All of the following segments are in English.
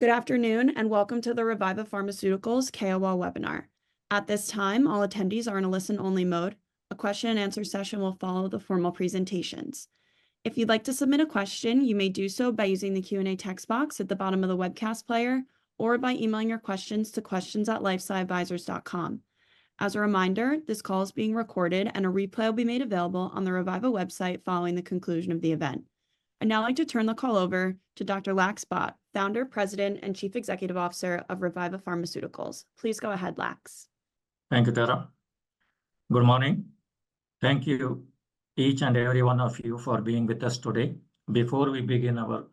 Good afternoon and welcome to the Reviva Pharmaceuticals KOL webinar. At this time, all attendees are in a listen-only mode, a question-and-answer session will follow the formal presentations. If you'd like to submit a question, you may do so by using the Q&A text box at the bottom of the webcast player, or by emailing your questions to questions@lifesciadvisors.com. As a reminder, this call is being recorded and a replay will be made available on the Reviva website following the conclusion of the event. I'd now like to turn the call over to Dr. Lax Bhat, Founder, President, and Chief Executive Officer of Reviva Pharmaceuticals. Please go ahead, Lax. Thank you, Tara. Good morning. Thank you each and every one of you for being with us today. Before we begin our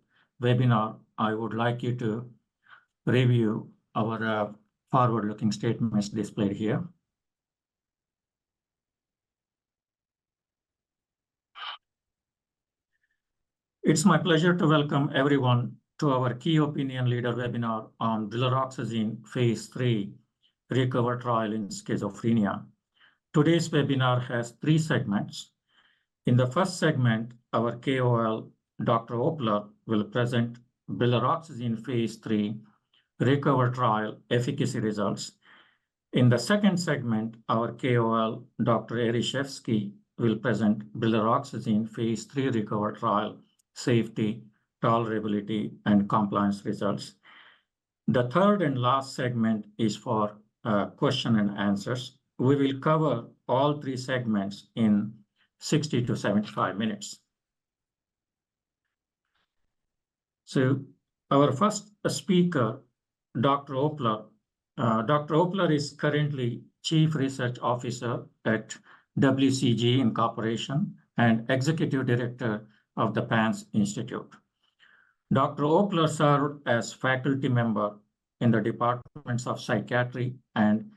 webinar, I would like you to review our forward-looking statements displayed here. It's my pleasure to welcome everyone to our Key Opinion Leader webinar on brilaroxazine phase III RECOVER Trial in Schizophrenia. Today's webinar has three segments. In the first segment, our KOL, Dr. Opler, will present brilaroxazine phase III RECOVER Trial efficacy results. In the second segment, our KOL, Dr. Ereshefsky, will present brilaroxazine phase III RECOVER Trial safety, tolerability, and compliance results. The third and last segment is for question and answers. We will cover all three segments in 60-75 minutes. Our first speaker, Dr. Opler, is currently Chief Research Officer at WCG and Executive Director of the PANSS Institute. Dr. Opler served as faculty member in the Departments of Psychiatry and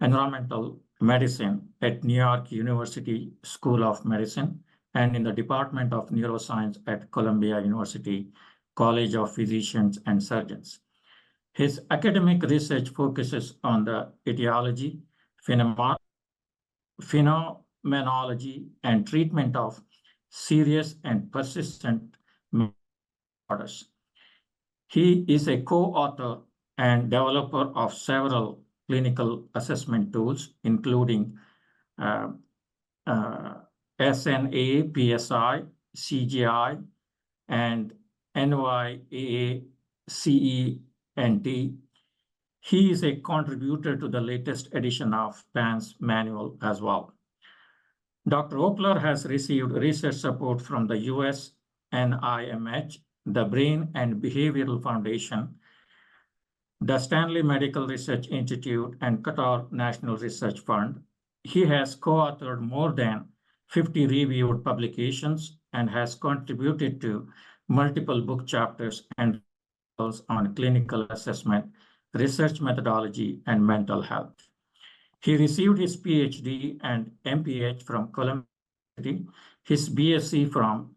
Environmental Medicine at New York University School of Medicine and in the Department of Neuroscience at Columbia University College of Physicians and Surgeons. His academic research focuses on the etiology, phenomenology, and treatment of serious and persistent disorders. He is a co-author and developer of several clinical assessment tools, including SNAPSI, CGI, and NY-AACENT. He is a contributor to the latest edition of the PANSS Manual as well. Dr. Opler has received research support from the U.S. NIMH, the Brain & Behavior Foundation, the Stanley Medical Research Institute, and Qatar National Research Fund. He has co-authored more than 50 reviewed publications and has contributed to multiple book chapters and articles on clinical assessment, research methodology, and mental health. He received his PhD and MPH from Columbia, his BSc from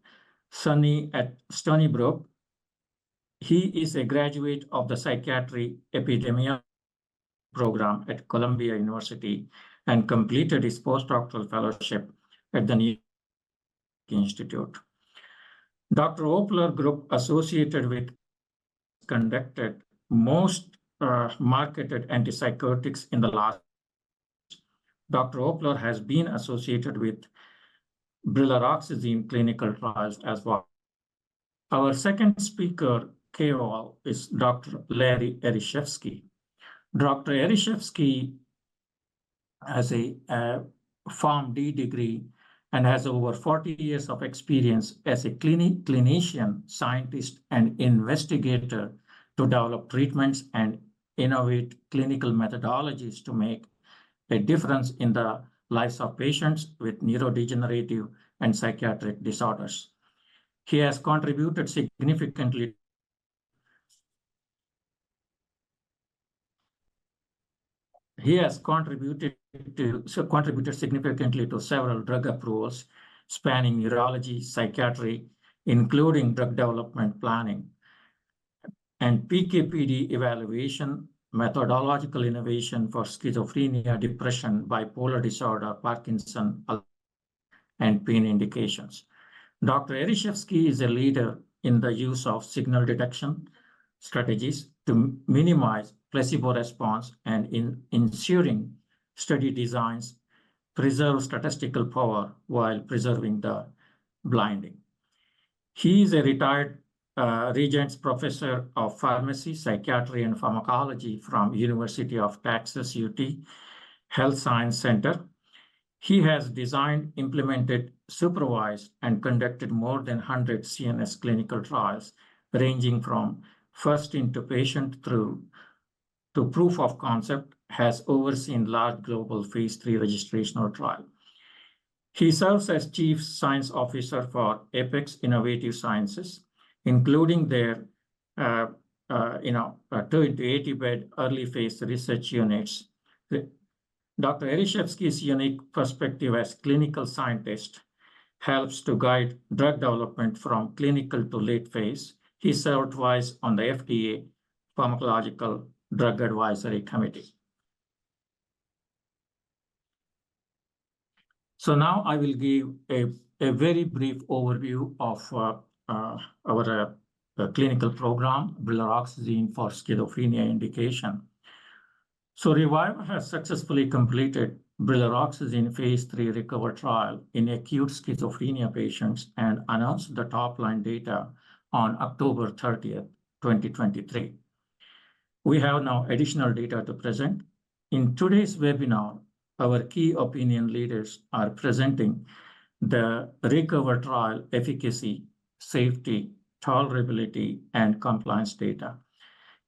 SUNY at Stony Brook. He is a graduate of the Psychiatric Epidemiology Program at Columbia University and completed his postdoctoral fellowship at the New York State Psychiatric Institute. Dr. Opler's group has been associated with the development of most marketed antipsychotics in recent years. Dr. Opler has been associated with brilaroxazine clinical trials as well. Our second speaker, KOL, is Dr. Larry Ereshefsky. Dr. Ereshefsky has a PharmD degree and has over 40 years of experience as a clinician, scientist, and investigator to develop treatments and innovate clinical methodologies to make a difference in the lives of patients with neurodegenerative and psychiatric disorders. He has contributed significantly to several drug approvals spanning neurology, psychiatry, including drug development planning, and PK/PD evaluation, methodological innovation for schizophrenia, depression, bipolar disorder, Parkinson's, and pain indications. Dr. Ereshefsky is a leader in the use of signal detection strategies to minimize placebo response and ensure study designs preserve statistical power while preserving the blinding. He is a retired Regents Professor of Pharmacy, Psychiatry, and Pharmacology from The University of Texas, UT Health Science Center. He has designed, implemented, supervised, and conducted more than 100 CNS clinical trials ranging from first-in-patient through to proof of concept, and has overseen large global phase III registrational trials. He serves as Chief Science Officer for Apex Innovative Sciences, including their two 80-bed early phase research units. Dr. Ereshefsky's unique perspective as a clinical scientist helps to guide drug development from clinical to late phase. He served twice on the FDA Psychopharmacologic Drugs Advisory Committee. Now I will give a very brief overview of our clinical program, brilaroxazine for schizophrenia indication. Reviva has successfully completed brilaroxazine phase III RECOVER Trial in acute schizophrenia patients and announced the top-line data on October 30th, 2023. We have now additional data to present. In today's webinar, our Key Opinion Leaders are presenting the RECOVER Trial efficacy, safety, tolerability, and compliance data.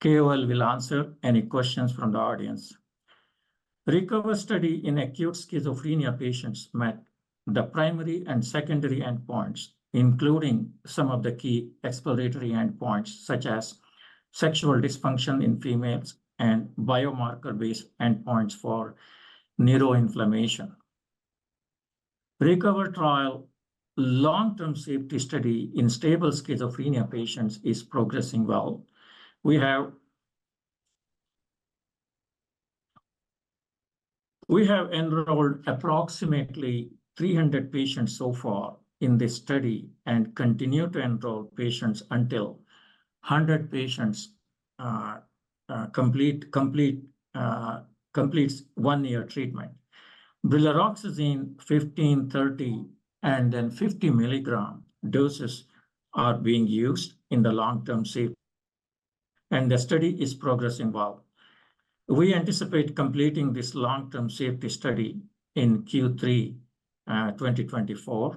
KOL will answer any questions from the audience. RECOVER study in acute schizophrenia patients met the primary and secondary endpoints, including some of the key exploratory endpoints such as sexual dysfunction in females and biomarker-based endpoints for neuroinflammation. RECOVER Trial long-term safety study in stable schizophrenia patients is progressing well. We have enrolled approximately 300 patients so far in this study and continue to enroll patients until 100 patients complete one-year treatment. Brilaroxazine 15/30 and then 50 mg doses are being used in the long-term safety study, and the study is progressing well. We anticipate completing this long-term safety study in Q3 2024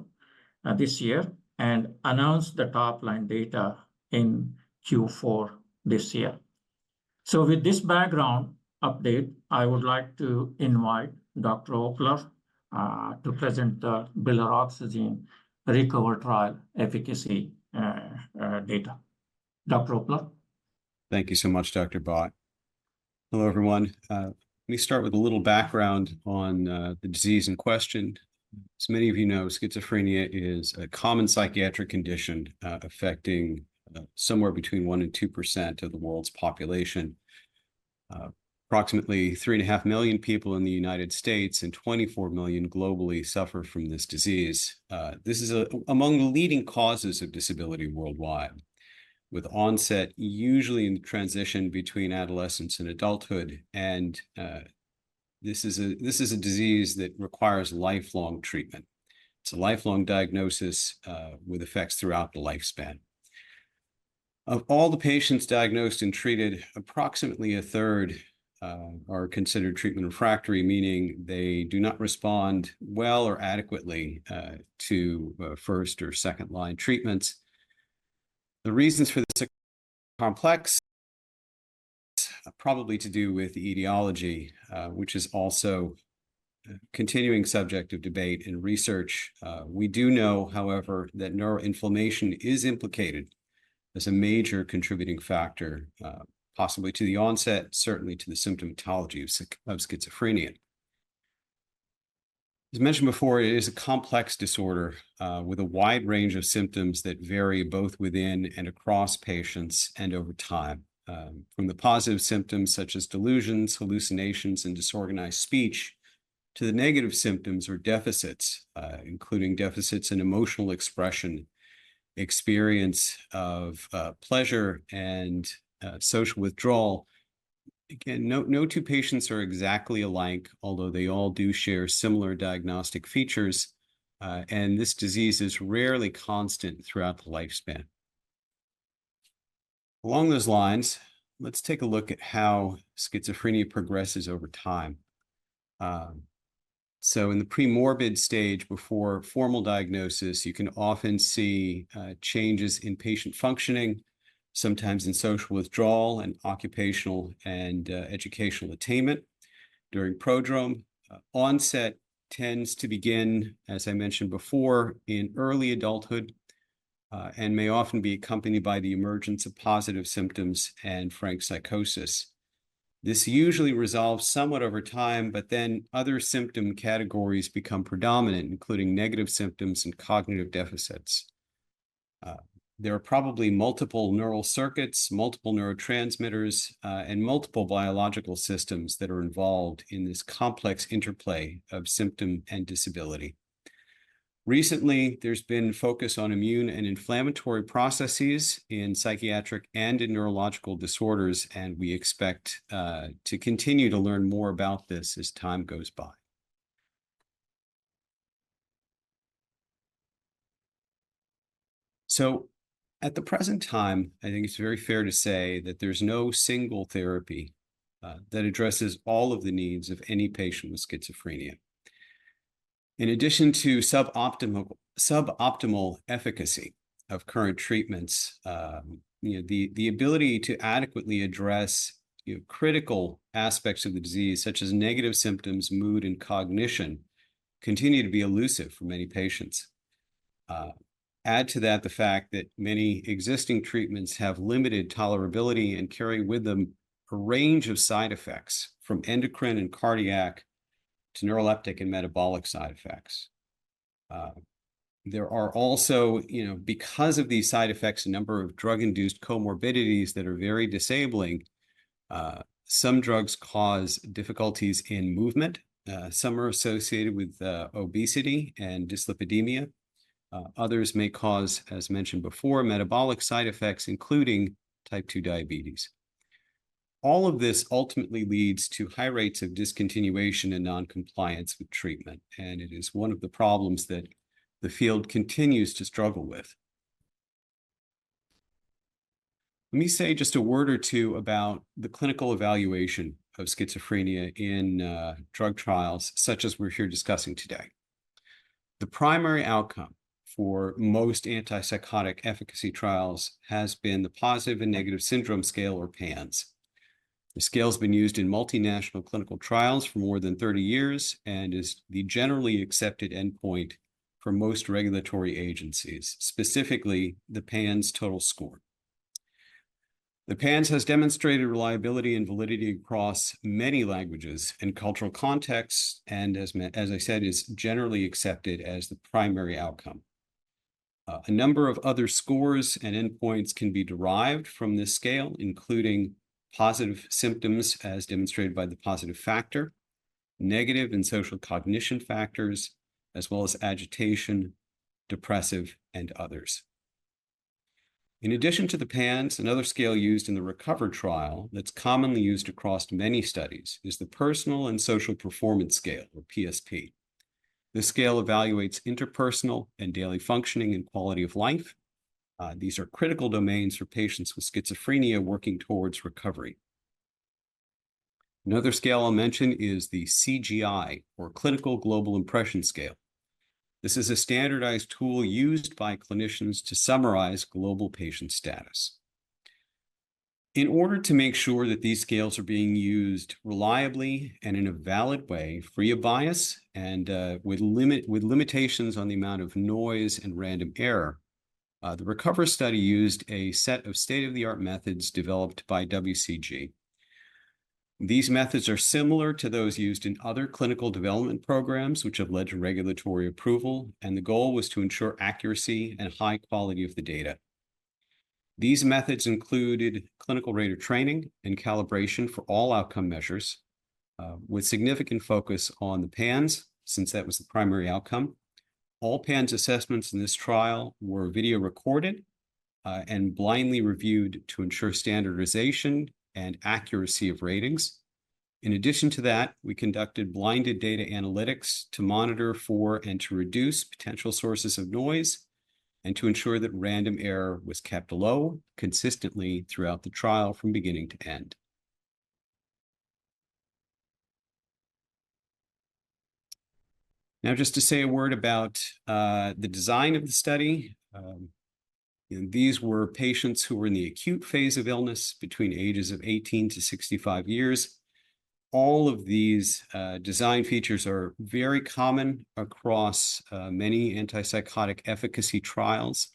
this year and announcing the top-line data in Q4 this year. With this background update, I would like to invite Dr. Opler to present the brilaroxazine RECOVER Trial efficacy data. Dr. Opler. Thank you so much, Dr. Bhat. Hello, everyone. Let me start with a little background on the disease in question. As many of you know, schizophrenia is a common psychiatric condition affecting somewhere between 1%-2% of the world's population. Approximately 3.5 million people in the United States and 24 million globally suffer from this disease. This is among the leading causes of disability worldwide, with onset usually in the transition between adolescence and adulthood. This is a disease that requires lifelong treatment. It's a lifelong diagnosis with effects throughout the lifespan. Of all the patients diagnosed and treated, approximately a third are considered treatment refractory, meaning they do not respond well or adequately to first or second-line treatments. The reasons for this are complex, probably to do with the etiology, which is also a continuing subject of debate in research. We do know, however, that neuroinflammation is implicated as a major contributing factor, possibly to the onset, certainly to the symptomatology of schizophrenia. As mentioned before, it is a complex disorder with a wide range of symptoms that vary both within and across patients and over time, from the positive symptoms such as delusions, hallucinations, and disorganized speech to the negative symptoms or deficits, including deficits in emotional expression, experience of pleasure, and social withdrawal. Again, no two patients are exactly alike, although they all do share similar diagnostic features, and this disease is rarely constant throughout the lifespan. Along those lines, let's take a look at how schizophrenia progresses over time. In the premorbid stage before formal diagnosis, you can often see changes in patient functioning, sometimes in social withdrawal and occupational and educational attainment during prodrome. Onset tends to begin, as I mentioned before, in early adulthood and may often be accompanied by the emergence of positive symptoms and frank psychosis. This usually resolves somewhat over time, but then other symptom categories become predominant, including negative symptoms and cognitive deficits. There are probably multiple neural circuits, multiple neurotransmitters, and multiple biological systems that are involved in this complex interplay of symptom and disability. Recently, there's been focus on immune and inflammatory processes in psychiatric and in neurological disorders, and we expect to continue to learn more about this as time goes by. At the present time, I think it's very fair to say that there's no single therapy that addresses all of the needs of any patient with schizophrenia. In addition to suboptimal efficacy of current treatments, the ability to adequately address critical aspects of the disease, such as negative symptoms, mood, and cognition, continues to be elusive for many patients. Add to that the fact that many existing treatments have limited tolerability and carry with them a range of side effects, from endocrine and cardiac to neuroleptic and metabolic side effects. There are also, because of these side effects, a number of drug-induced comorbidities that are very disabling. Some drugs cause difficulties in movement. Some are associated with obesity and dyslipidemia. Others may cause, as mentioned before, metabolic side effects, including type 2 diabetes. All of this ultimately leads to high rates of discontinuation and noncompliance with treatment, and it is one of the problems that the field continues to struggle with. Let me say just a word or two about the clinical evaluation of schizophrenia in drug trials, such as we're here discussing today. The primary outcome for most antipsychotic efficacy trials has been the Positive and Negative Syndrome Scale, or PANSS. The scale has been used in multinational clinical trials for more than 30 years and is the generally accepted endpoint for most regulatory agencies, specifically the PANSS total score. The PANSS has demonstrated reliability and validity across many languages and cultural contexts, and, as I said, is generally accepted as the primary outcome. A number of other scores and endpoints can be derived from this scale, including positive symptoms, as demonstrated by the positive factor, negative and social cognition factors, as well as agitation, depressive, and others. In addition to the PANSS, another scale used in the RECOVER Trial that's commonly used across many studies is the Personal and Social Performance Scale, or PSP. This scale evaluates interpersonal and daily functioning and quality of life. These are critical domains for patients with schizophrenia working towards recovery. Another scale I'll mention is the CGI, or Clinical Global Impression Scale. This is a standardized tool used by clinicians to summarize global patient status. In order to make sure that these scales are being used reliably and in a valid way, free of bias, and with limitations on the amount of noise and random error, the RECOVER study used a set of state-of-the-art methods developed by WCG. These methods are similar to those used in other clinical development programs, which have led to regulatory approval, and the goal was to ensure accuracy and high quality of the data. These methods included clinical rater training and calibration for all outcome measures, with significant focus on the PANSS since that was the primary outcome. All PANSS assessments in this trial were video recorded and blindly reviewed to ensure standardization and accuracy of ratings. In addition to that, we conducted blinded data analytics to monitor for and to reduce potential sources of noise and to ensure that random error was kept low consistently throughout the trial from beginning to end. Now, just to say a word about the design of the study. These were patients who were in the acute phase of illness between ages of 18 years-65 years. All of these design features are very common across many antipsychotic efficacy trials.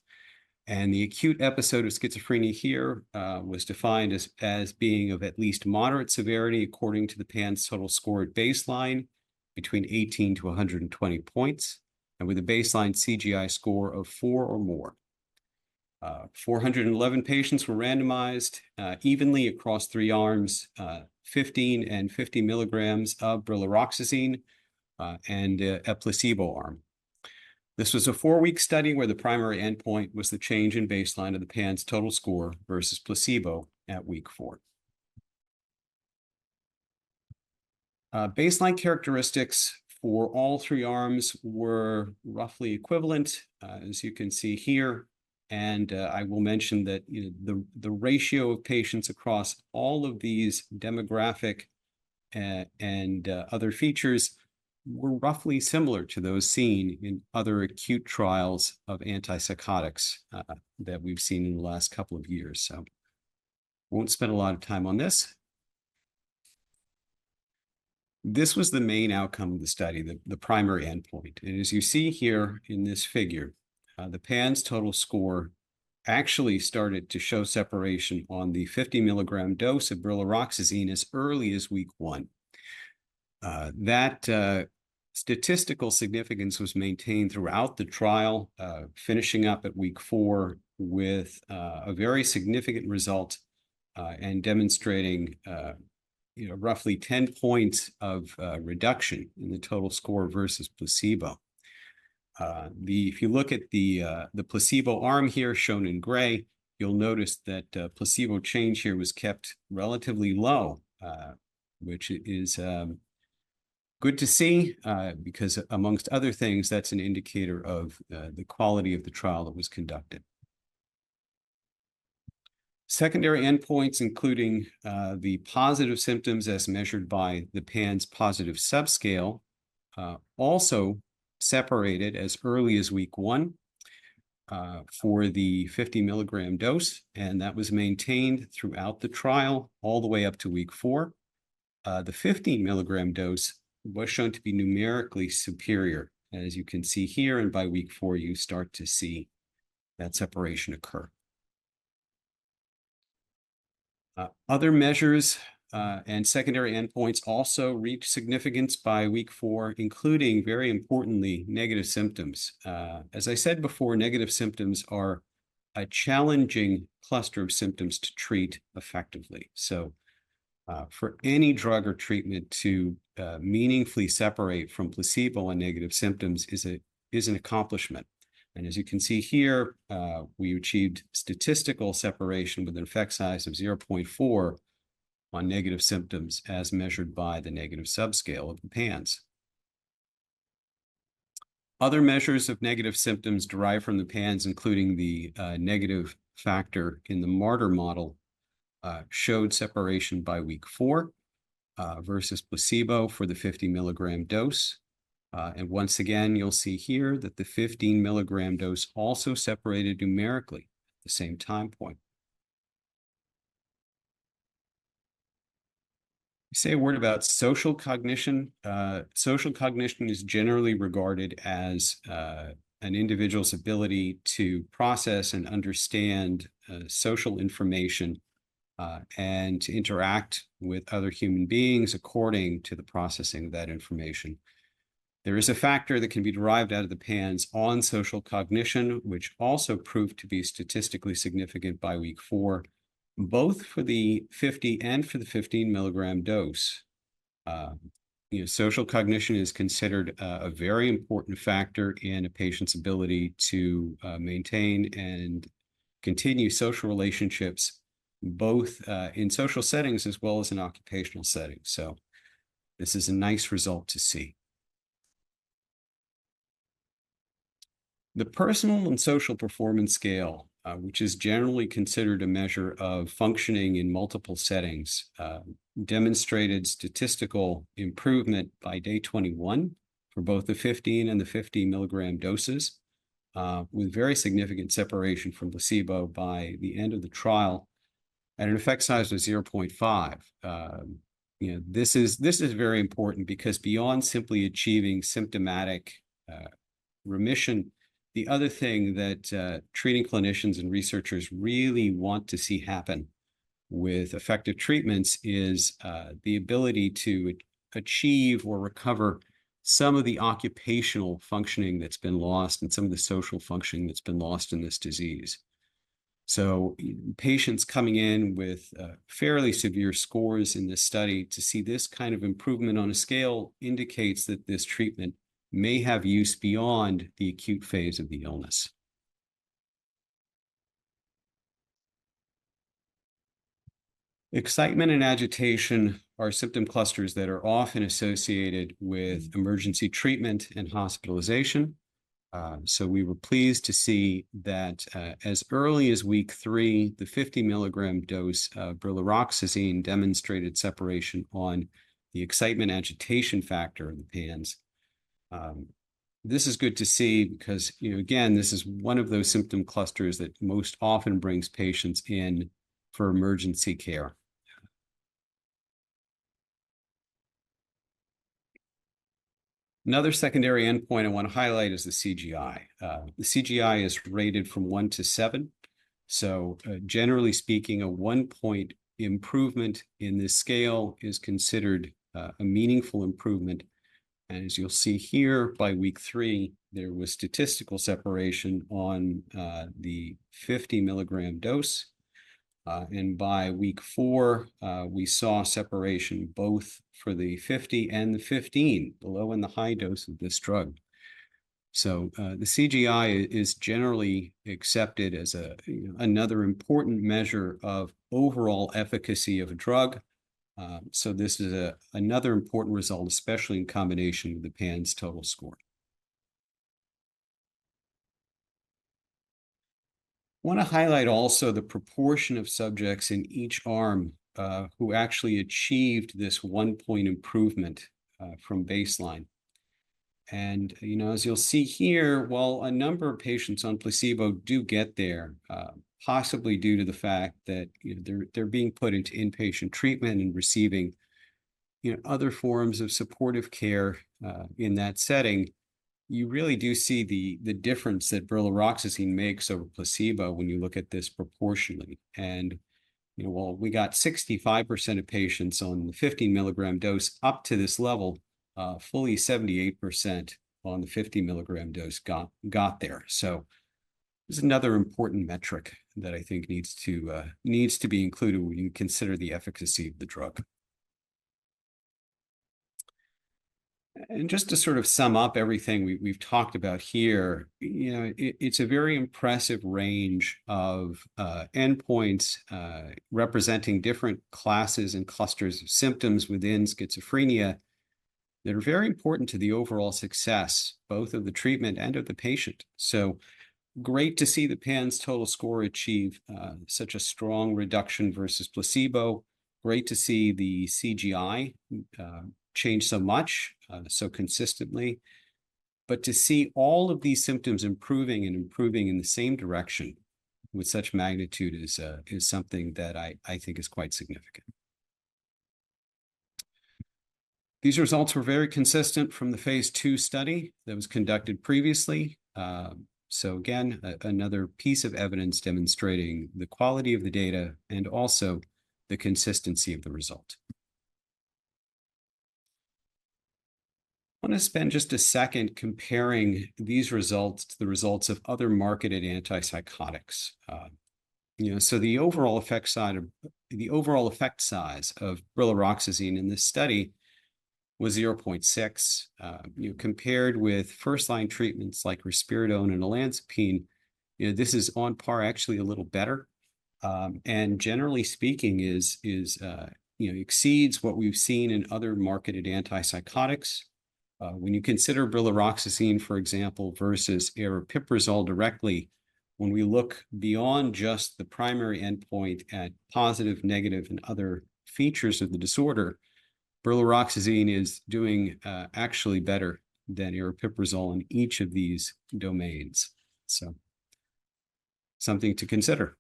The acute episode of schizophrenia here was defined as being of at least moderate severity according to the PANSS total score at baseline, between 18 points-120 points, and with a baseline CGI score of 4 or more. 411 patients were randomized evenly across three arms: 15 mg and 50 mg of brilaroxazine and a placebo arm. This was a 4-week study where the primary endpoint was the change in baseline of the PANSS total score versus placebo at week 4. Baseline characteristics for all three arms were roughly equivalent, as you can see here. I will mention that the ratio of patients across all of these demographic and other features were roughly similar to those seen in other acute trials of antipsychotics that we've seen in the last couple of years. I won't spend a lot of time on this. This was the main outcome of the study, the primary endpoint. As you see here in this figure, the PANSS total score actually started to show separation on the 50 mg dose of brilaroxazine as early as week one. That statistical significance was maintained throughout the trial, finishing up at week four with a very significant result and demonstrating roughly 10 points of reduction in the total score versus placebo. If you look at the placebo arm here shown in gray, you'll notice that placebo change here was kept relatively low, which is good to see because, among other things, that's an indicator of the quality of the trial that was conducted. Secondary endpoints, including the positive symptoms as measured by the PANSS positive subscale, also separated as early as week one for the 50 mg dose, and that was maintained throughout the trial all the way up to week four. The 50 mg dose was shown to be numerically superior, as you can see here, and by week four, you start to see that separation occur. Other measures and secondary endpoints also reached significance by week four, including, very importantly, negative symptoms. As I said before, negative symptoms are a challenging cluster of symptoms to treat effectively. For any drug or treatment to meaningfully separate from placebo on negative symptoms is an accomplishment. And as you can see here, we achieved statistical separation with an effect size of 0.4 on negative symptoms as measured by the negative subscale of the PANSS. Other measures of negative symptoms derived from the PANSS, including the negative factor in the Marder model, showed separation by week 4 versus placebo for the 50 mg dose. Once again, you'll see here that the 15 mg dose also separated numerically at the same time point. Say a word about social cognition. Social cognition is generally regarded as an individual's ability to process and understand social information and to interact with other human beings according to the processing of that information. There is a factor that can be derived out of the PANSS on social cognition, which also proved to be statistically significant by week 4, both for the 50 mg and for the 15 mg dose. Social cognition is considered a very important factor in a patient's ability to maintain and continue social relationships both in social settings as well as in occupational settings. This is a nice result to see. The Personal and Social Performance Scale, which is generally considered a measure of functioning in multiple settings, demonstrated statistical improvement by day 21 for both the 15 mg and the 50 mg doses, with very significant separation from placebo by the end of the trial at an effect size of 0.5. This is very important because beyond simply achieving symptomatic remission, the other thing that treating clinicians and researchers really want to see happen with effective treatments is the ability to achieve or recover some of the occupational functioning that's been lost and some of the social functioning that's been lost in this disease. Patients coming in with fairly severe scores in this study to see this kind of improvement on a scale indicates that this treatment may have use beyond the acute phase of the illness. Excitement and agitation are symptom clusters that are often associated with emergency treatment and hospitalization. So we were pleased to see that as early as week 3, the 50-mg dose of brilaroxazine demonstrated separation on the excitement-agitation factor in the PANSS. This is good to see because, again, this is one of those symptom clusters that most often brings patients in for emergency care. Another secondary endpoint I want to highlight is the CGI. The CGI is rated from 1 to 7. Generally speaking, a 1-point improvement in this scale is considered a meaningful improvement. As you'll see here, by week 3, there was statistical separation on the 50-mg dose. And by week 4, we saw separation both for the 50-mg and the 15-mg low- and the high dose of this drug. The CGI is generally accepted as another important measure of overall efficacy of a drug. This is another important result, especially in combination with the PANSS total score. I want to highlight also the proportion of subjects in each arm who actually achieved this 1-point improvement from baseline. As you'll see here, while a number of patients on placebo do get there, possibly due to the fact that they're being put into inpatient treatment and receiving other forms of supportive care in that setting, you really do see the difference that brilaroxazine makes over placebo when you look at this proportionally. While we got 65% of patients on the 50 mg dose up to this level, fully 78% on the 50 mg dose got there. This is another important metric that I think needs to be included when you consider the efficacy of the drug. Just to sort of sum up everything we've talked about here, it's a very impressive range of endpoints representing different classes and clusters of symptoms within schizophrenia that are very important to the overall success, both of the treatment and of the patient. Great to see the PANSS total score achieve such a strong reduction versus placebo. Great to see the CGI change so much, so consistently. To see all of these symptoms improving and improving in the same direction with such magnitude is something that I think is quite significant. These results were very consistent from the phase II study that was conducted previously. Again, another piece of evidence demonstrating the quality of the data and also the consistency of the result. I want to spend just a second comparing these results to the results of other marketed antipsychotics. The overall effect size of the overall effect size of brilaroxazine in this study was 0.6. Compared with first-line treatments like risperidone and olanzapine, this is on par, actually a little better. Generally speaking, it exceeds what we've seen in other marketed antipsychotics. When you consider brilaroxazine, for example, versus aripiprazole directly, when we look beyond just the primary endpoint at positive, negative, and other features of the disorder, brilaroxazine is doing actually better than aripiprazole in each of these domains. Something to consider.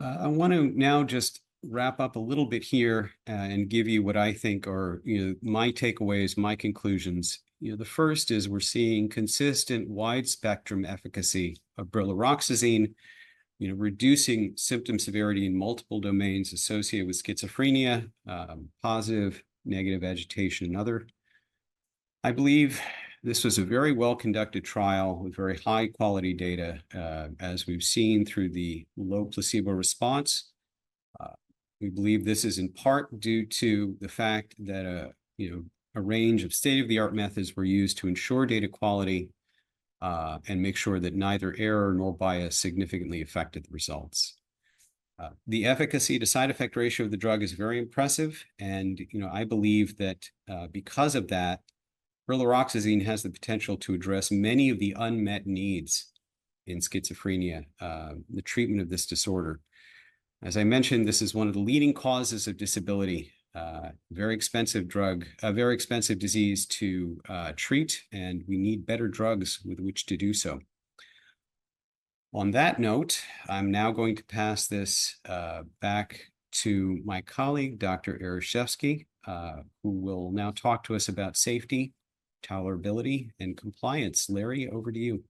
I want to now just wrap up a little bit here and give you what I think are my takeaways, my conclusions. The first is we're seeing consistent wide-spectrum efficacy of brilaroxazine, reducing symptom severity in multiple domains associated with schizophrenia, positive, negative, agitation, and other. I believe this was a very well-conducted trial with very high-quality data, as we've seen through the low placebo response. We believe this is in part due to the fact that a range of state-of-the-art methods were used to ensure data quality and make sure that neither error nor bias significantly affected the results. The efficacy to side effect ratio of the drug is very impressive. I believe that because of that, brilaroxazine has the potential to address many of the unmet needs in schizophrenia, the treatment of this disorder. As I mentioned, this is one of the leading causes of disability, a very expensive disease to treat, and we need better drugs with which to do so. On that note, I'm now going to pass this back to my colleague, Dr. Ereshefsky, who will now talk to us about safety, tolerability, and compliance. Larry, over to you.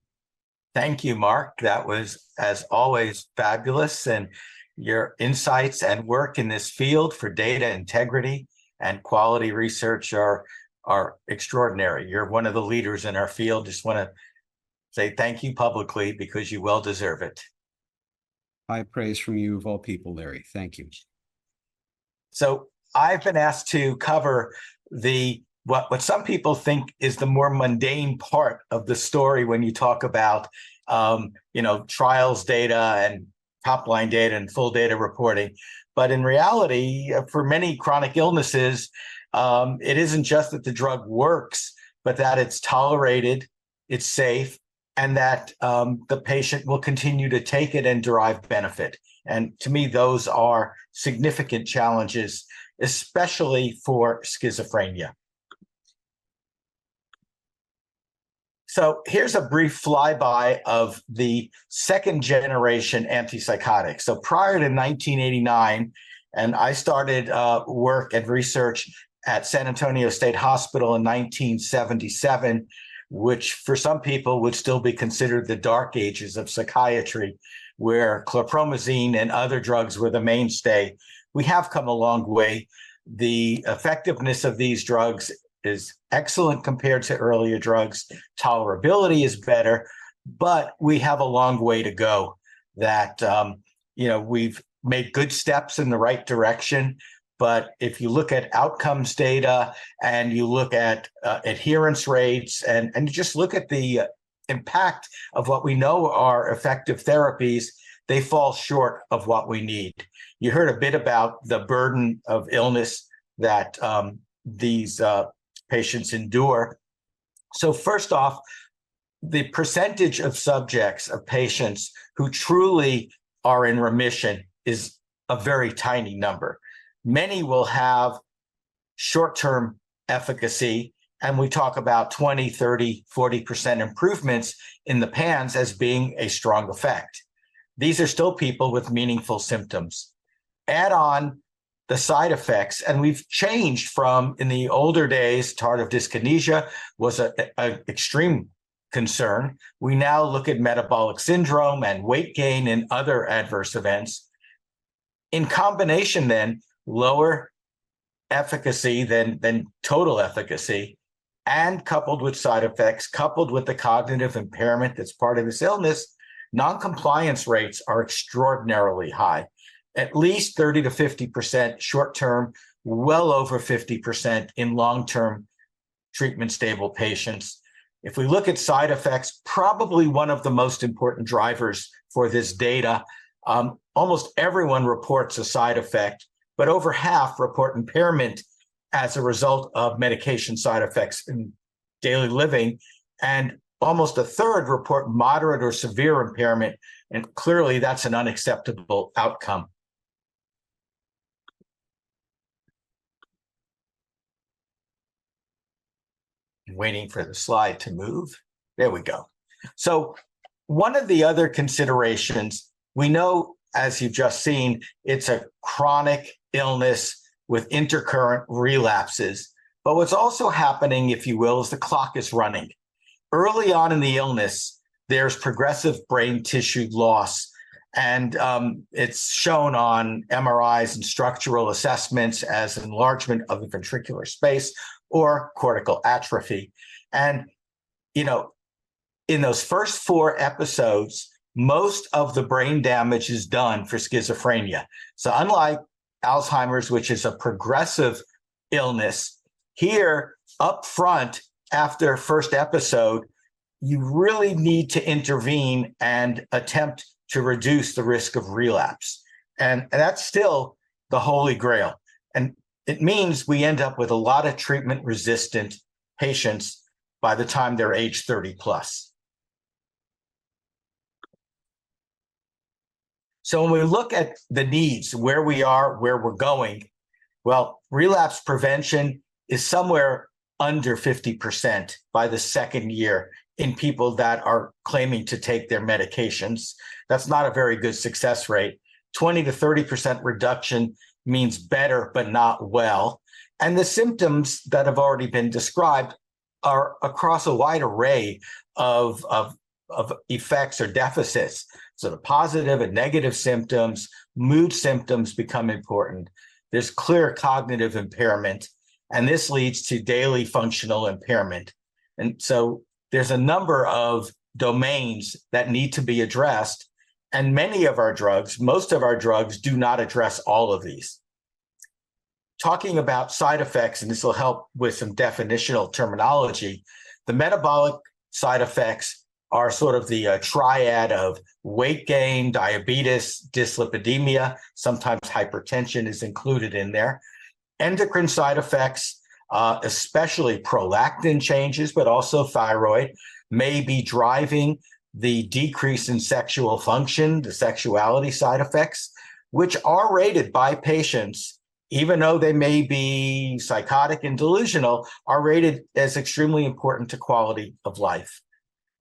Thank you, Mark. That was, as always, fabulous. Your insights and work in this field for data integrity and quality research are extraordinary. You're one of the leaders in our field. Just want to say thank you publicly because you well deserve it. High praise from you of all people, Larry. Thank you. I've been asked to cover what some people think is the more mundane part of the story when you talk about trials data and top-line data and full data reporting. In reality, for many chronic illnesses, it isn't just that the drug works, but that it's tolerated, it's safe, and that the patient will continue to take it and derive benefit. To me, those are significant challenges, especially for schizophrenia. Here's a brief flyby of the second-generation antipsychotics. Prior to 1989, and I started work and research at San Antonio State Hospital in 1977, which for some people would still be considered the dark ages of psychiatry, where chlorpromazine and other drugs were the mainstay, we have come a long way. The effectiveness of these drugs is excellent compared to earlier drugs. Tolerability is better, but we have a long way to go. We've made good steps in the right direction. If you look at outcomes data and you look at adherence rates and just look at the impact of what we know are effective therapies, they fall short of what we need. You heard a bit about the burden of illness that these patients endure. First off, the percentage of subjects, of patients who truly are in remission, is a very tiny number. Many will have short-term efficacy, and we talk about 20%, 30%, 40% improvements in the PANSS as being a strong effect. These are still people with meaningful symptoms. Add on the side effects, and we've changed from in the older days, tardive dyskinesia was an extreme concern. We now look at metabolic syndrome and weight gain and other adverse events. In combination, then, lower efficacy than total efficacy, and coupled with side effects, coupled with the cognitive impairment that's part of this illness, non-compliance rates are extraordinarily high, at least 30%-50% short-term, well over 50% in long-term treatment-stable patients. If we look at side effects, probably one of the most important drivers for this data, almost everyone reports a side effect, but over half report impairment as a result of medication side effects in daily living. Almost a third report moderate or severe impairment. Clearly, that's an unacceptable outcome. Waiting for the slide to move. There we go. One of the other considerations, we know, as you've just seen, it's a chronic illness with intercurrent relapses. What's also happening, if you will, is the clock is running. Early on in the illness, there's progressive brain tissue loss. It's shown on MRIs and structural assessments as enlargement of the ventricular space or cortical atrophy. In those first four episodes, most of the brain damage is done for schizophrenia. Unlike Alzheimer's, which is a progressive illness, here, up front, after first episode, you really need to intervene and attempt to reduce the risk of relapse. That's still the holy grail. It means we end up with a lot of treatment-resistant patients by the time they're age 30+. When we look at the needs, where we are, where we're going, relapse prevention is somewhere under 50% by the second year in people that are claiming to take their medications. That's not a very good success rate. 20%-30% reduction means better, but not well. The symptoms that have already been described are across a wide array of effects or deficits. The positive and negative symptoms, mood symptoms, become important. There's clear cognitive impairment. This leads to daily functional impairment. There's a number of domains that need to be addressed. Many of our drugs, most of our drugs do not address all of these. Talking about side effects, and this will help with some definitional terminology, the metabolic side effects are sort of the triad of weight gain, diabetes, dyslipidemia, sometimes hypertension is included in there. Endocrine side effects, especially prolactin changes, but also thyroid, may be driving the decrease in sexual function, the sexuality side effects, which are rated by patients, even though they may be psychotic and delusional, are rated as extremely important to quality of life.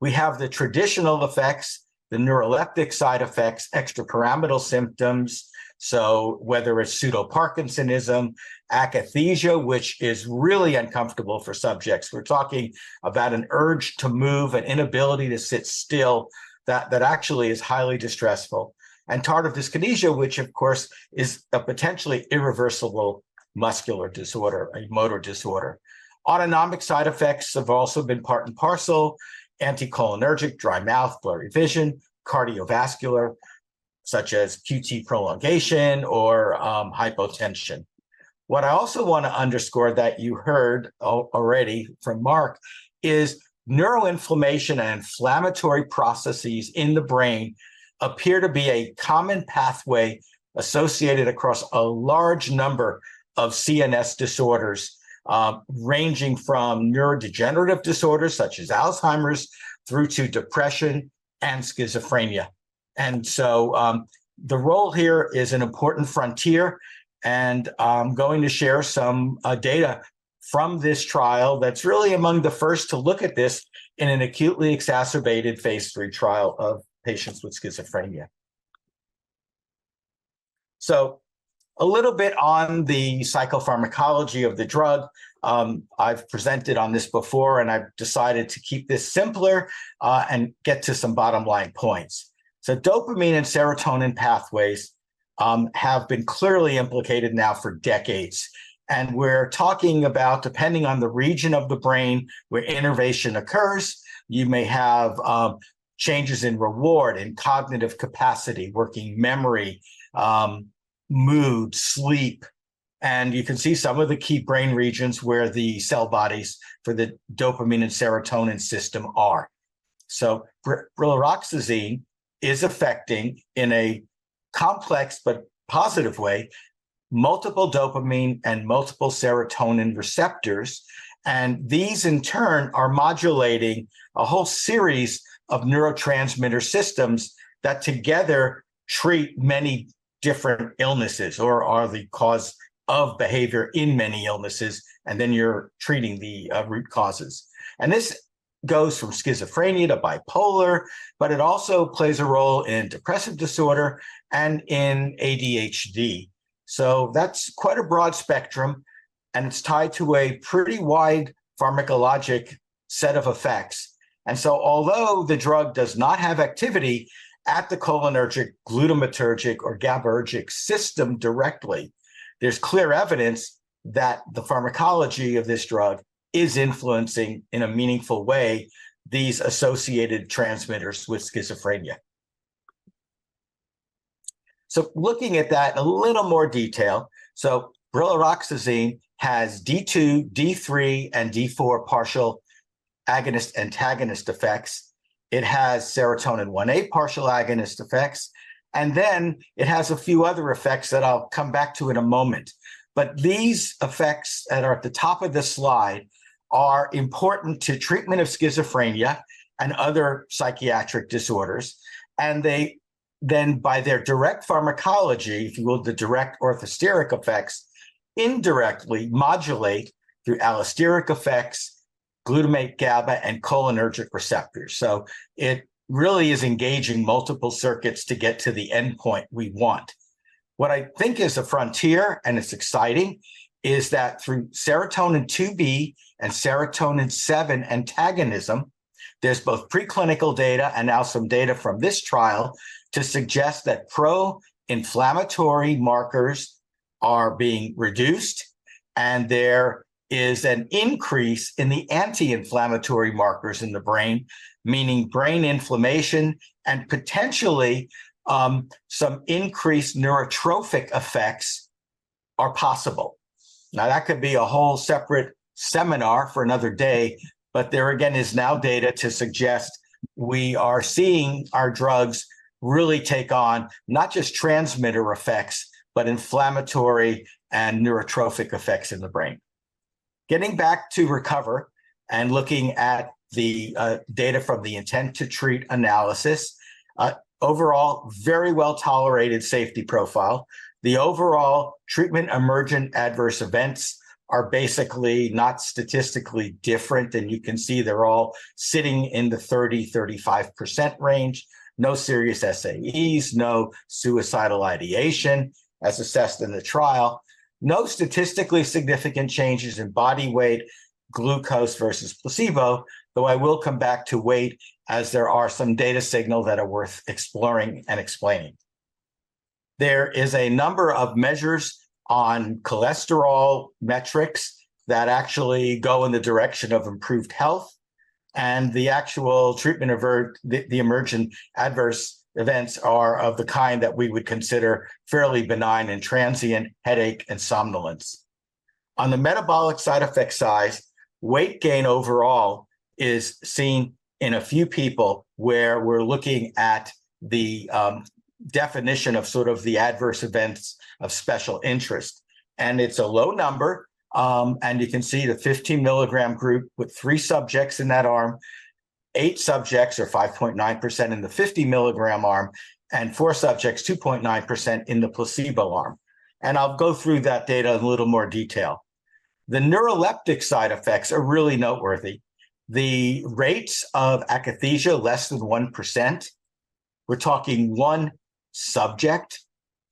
We have the traditional effects, the neuroleptic side effects, extrapyramidal symptoms. Whether it's pseudoparkinsonism, akathisia, which is really uncomfortable for subjects. We're talking about an urge to move, an inability to sit still that actually is highly distressful. Tardive dyskinesia, which, of course, is a potentially irreversible muscular disorder, a motor disorder. Autonomic side effects have also been part and parcel: anticholinergic, dry mouth, blurry vision, cardiovascular, such as QT prolongation or hypotension. What I also want to underscore that you heard already from Mark is neuroinflammation and inflammatory processes in the brain appear to be a common pathway associated across a large number of CNS disorders, ranging from neurodegenerative disorders such as Alzheimer's through to depression and schizophrenia. The role here is an important frontier. I'm going to share some data from this trial that's really among the first to look at this in an acutely exacerbated phase III trial of patients with schizophrenia. A little bit on the psychopharmacology of the drug. I've presented on this before, and I've decided to keep this simpler and get to some bottom-line points. Dopamine and serotonin pathways have been clearly implicated now for decades. We're talking about, depending on the region of the brain where innervation occurs, you may have changes in reward, in cognitive capacity, working memory, mood, sleep. You can see some of the key brain regions where the cell bodies for the dopamine and serotonin system are. Brilaroxazine is affecting, in a complex but positive way, multiple dopamine and multiple serotonin receptors. These, in turn, are modulating a whole series of neurotransmitter systems that together treat many different illnesses or are the cause of behavior in many illnesses. Then you're treating the root causes. This goes from schizophrenia to bipolar, but it also plays a role in depressive disorder and in ADHD. That's quite a broad spectrum. It's tied to a pretty wide pharmacologic set of effects. Although the drug does not have activity at the cholinergic, glutamatergic, or GABAergic system directly, there's clear evidence that the pharmacology of this drug is influencing, in a meaningful way, these associated transmitters with schizophrenia. Looking at that in a little more detail, so brilaroxazine has D2, D3, and D4 partial agonist-antagonist effects. It has serotonin 1A partial agonist effects. Then it has a few other effects that I'll come back to in a moment. These effects that are at the top of this slide are important to treatment of schizophrenia and other psychiatric disorders. They then, by their direct pharmacology, if you will, the direct orthosteric effects, indirectly modulate through allosteric effects, glutamate, GABA, and cholinergic receptors. It really is engaging multiple circuits to get to the endpoint we want. What I think is a frontier, and it's exciting, is that through serotonin 2B and serotonin 7 antagonism, there's both preclinical data and now some data from this trial to suggest that pro-inflammatory markers are being reduced, and there is an increase in the anti-inflammatory markers in the brain, meaning brain inflammation and potentially some increased neurotrophic effects are possible. Now, that could be a whole separate seminar for another day. There again, is now data to suggest we are seeing our drugs really take on not just transmitter effects, but inflammatory and neurotrophic effects in the brain. Getting back to RECOVER and looking at the data from the intent-to-treat analysis, overall, very well-tolerated safety profile. The overall treatment-emergent adverse events are basically not statistically different. You can see they're all sitting in the 30%-35% range. No serious SAEs, no suicidal ideation as assessed in the trial. No statistically significant changes in body weight, glucose versus placebo, though I will come back to weight as there are some data signals that are worth exploring and explaining. There is a number of measures on cholesterol metrics that actually go in the direction of improved health. The actual treatment, the emergent adverse events, are of the kind that we would consider fairly benign and transient: headache and somnolence. On the metabolic side effect side, weight gain overall is seen in a few people where we're looking at the definition of sort of the adverse events of special interest. It's a low number. You can see the 15-mg group with three subjects in that arm, eight subjects, or 5.9% in the 50-mg arm, and four subjects, 2.9%, in the placebo arm. I'll go through that data in a little more detail. The neuroleptic side effects are really noteworthy. The rates of akathisia are less than 1%. We're talking one subject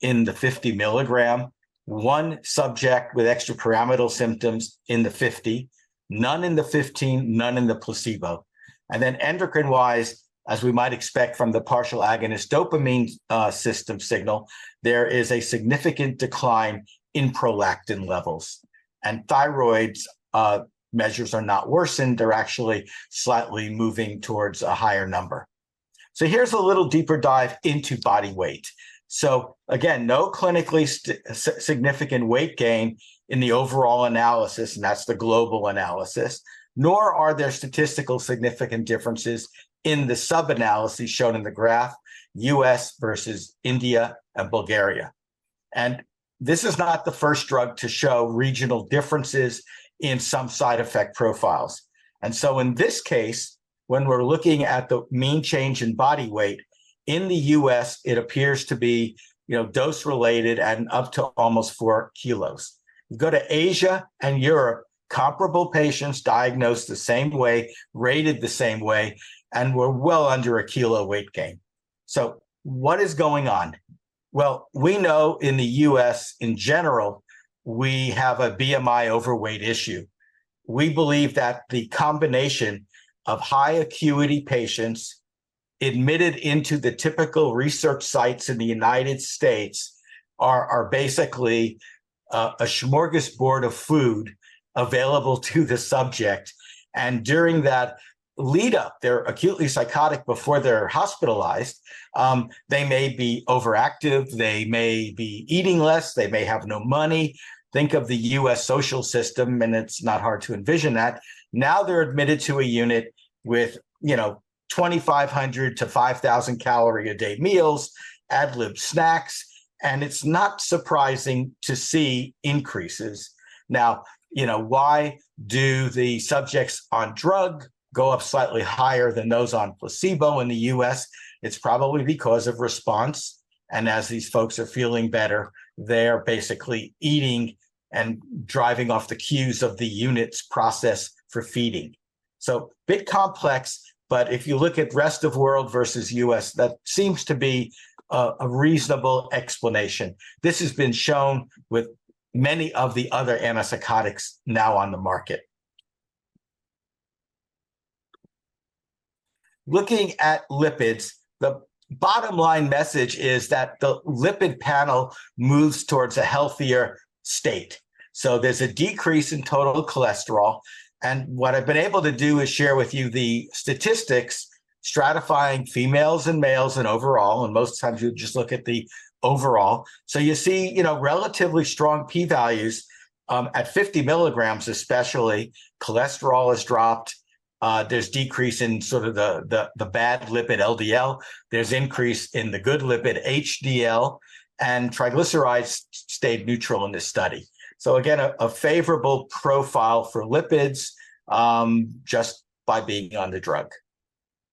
in the 50-mg, one subject with extrapyramidal symptoms in the 50 mg, none in the 15 mg, none in the placebo. Then endocrine-wise, as we might expect from the partial agonist dopamine system signal, there is a significant decline in prolactin levels. Thyroid measures are not worsened. They're actually slightly moving towards a higher number. Here's a little deeper dive into body weight. Again, no clinically significant weight gain in the overall analysis, and that's the global analysis, nor are there statistical significant differences in the sub-analyses shown in the graph: U.S. versus India and Bulgaria. This is not the first drug to show regional differences in some side effect profiles. In this case, when we're looking at the mean change in body weight in the U.S., it appears to be dose-related and up to almost 4 kg. You go to Asia and Europe, comparable patients diagnosed the same way, rated the same way, and were well under 1 kg weight gain. What is going on? Well, we know in the U.S., in general, we have a BMI overweight issue. We believe that the combination of high-acuity patients admitted into the typical research sites in the United States are basically a smorgasbord of food available to the subject. During that lead-up, they're acutely psychotic before they're hospitalized. They may be overactive. They may be eating less. They may have no money. Think of the U.S. social system, and it's not hard to envision that. Now they're admitted to a unit with 2,500-5,000-calorie-a-day meals, ad-lib snacks. It's not surprising to see increases. Now, why do the subjects on drug go up slightly higher than those on placebo in the U.S.? It's probably because of response. As these folks are feeling better, they're basically eating and driving off the queues of the unit's process for feeding. A bit complex. If you look at rest of the world versus U.S., that seems to be a reasonable explanation. This has been shown with many of the other antipsychotics now on the market. Looking at lipids, the bottom-line message is that the lipid panel moves towards a healthier state. There's a decrease in total cholesterol. What I've been able to do is share with you the statistics, stratifying females and males and overall. Most times, you just look at the overall. You see relatively strong p-values at 50 mg, especially. Cholesterol has dropped. There's decrease in sort of the bad lipid LDL. There's increase in the good lipid HDL. Triglycerides stayed neutral in this study. Again, a favorable profile for lipids just by being on the drug.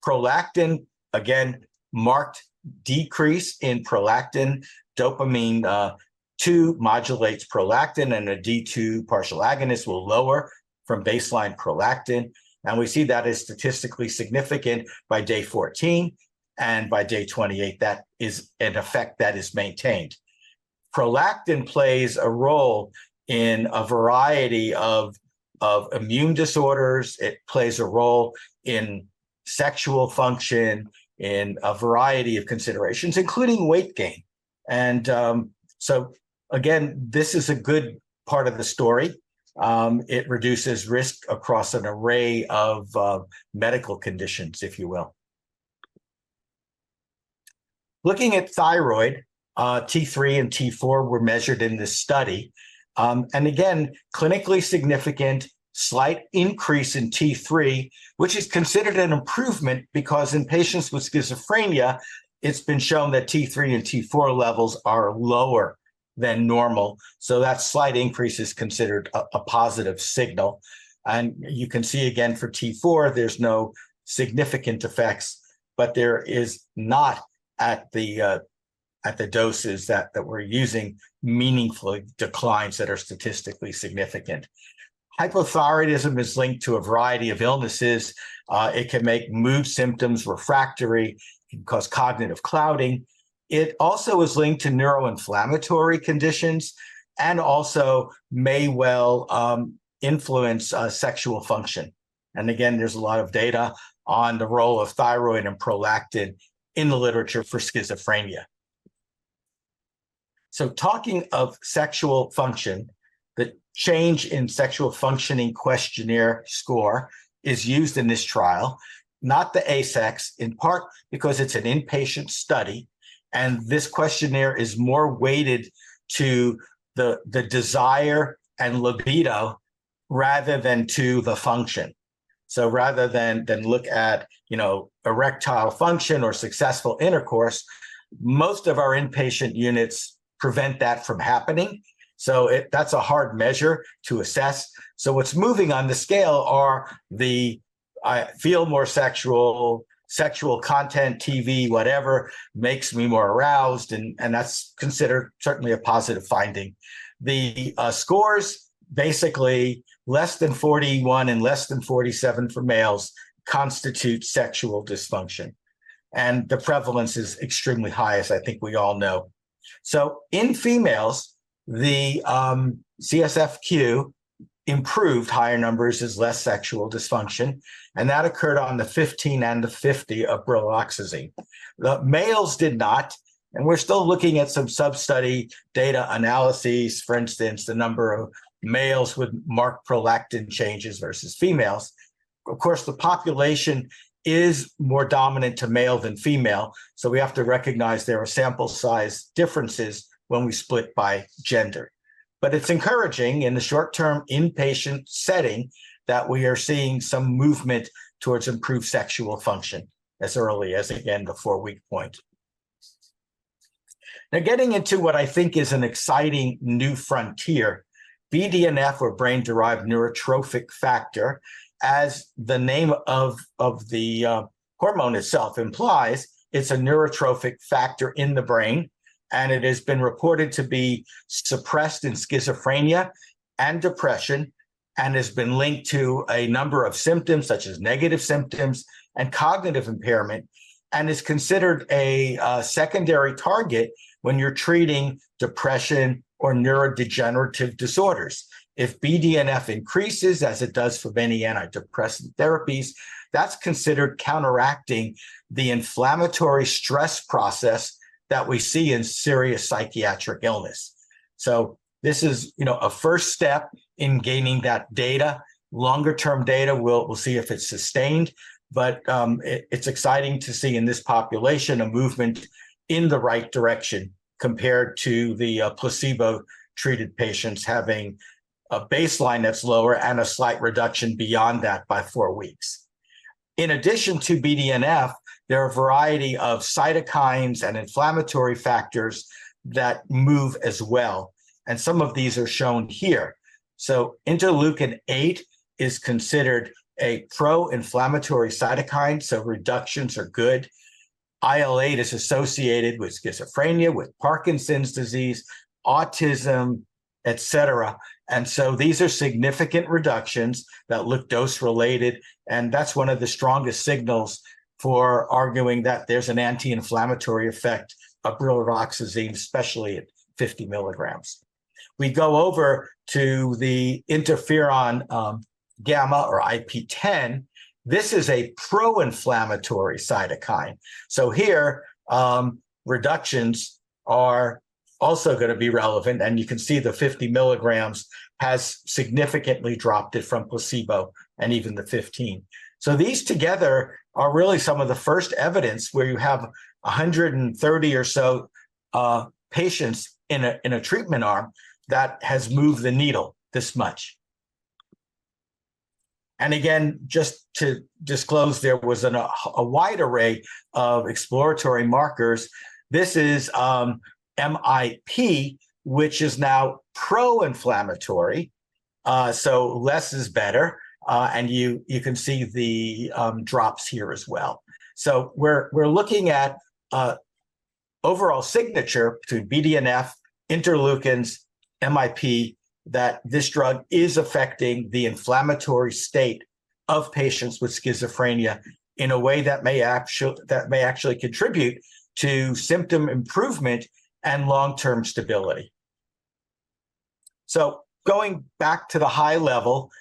Prolactin, again, marked decrease in prolactin. D2 modulates prolactin, and a D2 partial agonist will lower from baseline prolactin. We see that is statistically significant by day 14. By day 28, that is an effect that is maintained. Prolactin plays a role in a variety of immune disorders. It plays a role in sexual function, in a variety of considerations, including weight gain. Again, this is a good part of the story. It reduces risk across an array of medical conditions, if you will. Looking at thyroid, T3 and T4 were measured in this study. Again, clinically significant, slight increase in T3, which is considered an improvement because in patients with schizophrenia, it's been shown that T3 and T4 levels are lower than normal. That slight increase is considered a positive signal. You can see, again, for T4, there's no significant effects. There is not, at the doses that we're using, meaningful declines that are statistically significant. Hypothyroidism is linked to a variety of illnesses. It can make mood symptoms refractory. It can cause cognitive clouding. It also is linked to neuroinflammatory conditions and also may well influence sexual function. Again, there's a lot of data on the role of thyroid and prolactin in the literature for schizophrenia. Talking of sexual function, the Changes in Sexual Functioning Questionnaire score is used in this trial, not the ASEX, in part because it's an inpatient study. This questionnaire is more weighted to the desire and libido rather than to the function. Rather than look at erectile function or successful intercourse, most of our inpatient units prevent that from happening. That's a hard measure to assess. What's moving on the scale are the, "I feel more sexual. Sexual content, TV, whatever, makes me more aroused." That's considered certainly a positive finding. The scores, basically, less than 41 and less than 47 for males constitute sexual dysfunction. The prevalence is extremely high, as I think we all know. In females, the CSFQ improved higher numbers as less sexual dysfunction. That occurred on the 15 mg and the 50 mg of brilaroxazine. The males did not. We're still looking at some sub-study data analyses, for instance, the number of males with marked prolactin changes versus females. Of course, the population is more dominant to male than female. We have to recognize there are sample-size differences when we split by gender. It's encouraging in the short-term inpatient setting that we are seeing some movement towards improved sexual function as early as, again, the 4-week point. Now, getting into what I think is an exciting new frontier, BDNF, or Brain-Derived Neurotrophic Factor, as the name of the hormone itself implies, it's a neurotrophic factor in the brain. It has been reported to be suppressed in schizophrenia and depression and has been linked to a number of symptoms such as negative symptoms and cognitive impairment and is considered a secondary target when you're treating depression or neurodegenerative disorders. If BDNF increases, as it does for many antidepressant therapies, that's considered counteracting the inflammatory stress process that we see in serious psychiatric illness. This is a first step in gaining that data. Longer-term data, we'll see if it's sustained. It's exciting to see in this population a movement in the right direction compared to the placebo-treated patients having a baseline that's lower and a slight reduction beyond that by four weeks. In addition to BDNF, there are a variety of cytokines and inflammatory factors that move as well. Some of these are shown here. Interleukin 8 is considered a pro-inflammatory cytokine, so reductions are good. IL-8 is associated with schizophrenia, with Parkinson's disease, autism, etc. These are significant reductions that look dose-related. That's one of the strongest signals for arguing that there's an anti-inflammatory effect of brilaroxazine, especially at 50 mg. We go over to the interferon gamma or IP-10. This is a pro-inflammatory cytokine. Here, reductions are also going to be relevant. You can see the 50 mg has significantly dropped it from placebo and even the 15 mg. These together are really some of the first evidence where you have 130 or so patients in a treatment arm that has moved the needle this much. Again, just to disclose, there was a wide array of exploratory markers. This is MIP, which is now pro-inflammatory. Less is better. You can see the drops here as well. We're looking at overall signature to BDNF, interleukins, MIP, that this drug is affecting the inflammatory state of patients with schizophrenia in a way that may actually contribute to symptom improvement and long-term stability. Going back to the high level,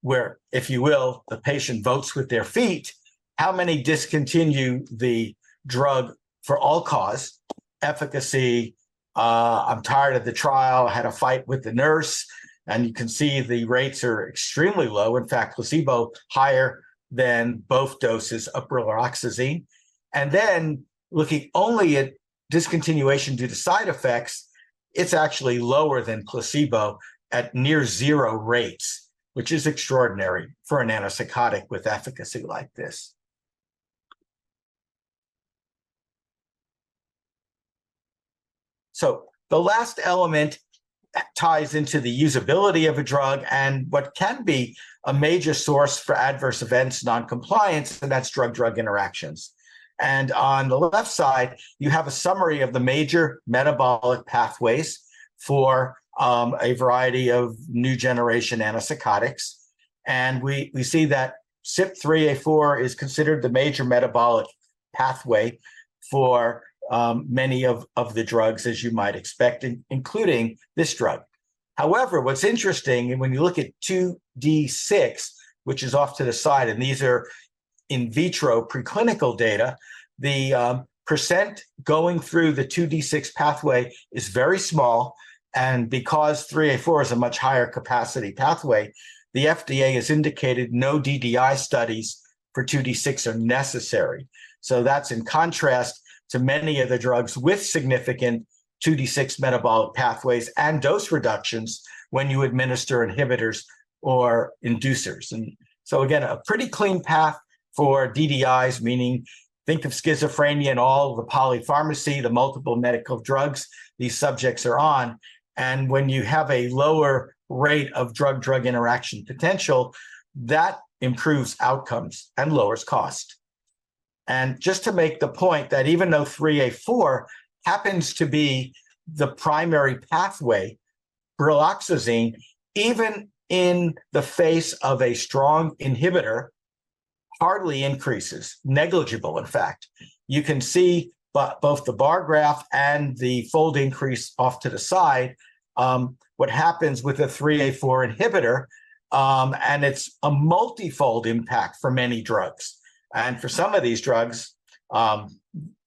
where, if you will, the patient votes with their feet, how many discontinue the drug for all-cause? Efficacy, "I'm tired of the trial. I had a fight with the nurse." You can see the rates are extremely low. In fact, placebo higher than both doses of brilaroxazine. Then looking only at discontinuation due to side effects, it's actually lower than placebo at near-zero rates, which is extraordinary for an antipsychotic with efficacy like this. The last element ties into the usability of a drug and what can be a major source for adverse events noncompliance, and that's drug-drug interactions. On the left side, you have a summary of the major metabolic pathways for a variety of new-generation antipsychotics. We see that CYP3A4 is considered the major metabolic pathway for many of the drugs, as you might expect, including this drug. However, what's interesting, and when you look at CYP2D6, which is off to the side, and these are in vitro preclinical data, the percent going through the CYP2D6 pathway is very small. Because CYP3A4 is a much higher capacity pathway, the FDA has indicated no DDI studies for CYP2D6 are necessary. That's in contrast to many other drugs with significant 2D6 metabolic pathways and dose reductions when you administer inhibitors or inducers. Again, a pretty clean path for DDIs, meaning think of schizophrenia and all the polypharmacy, the multiple medical drugs these subjects are on. When you have a lower rate of drug-drug interaction potential, that improves outcomes and lowers cost. Just to make the point that even though 3A4 happens to be the primary pathway, brilaroxazine, even in the face of a strong inhibitor, hardly increases, negligible, in fact. You can see both the bar graph and the fold increase off to the side what happens with a 3A4 inhibitor. It's a multifold impact for many drugs. For some of these drugs,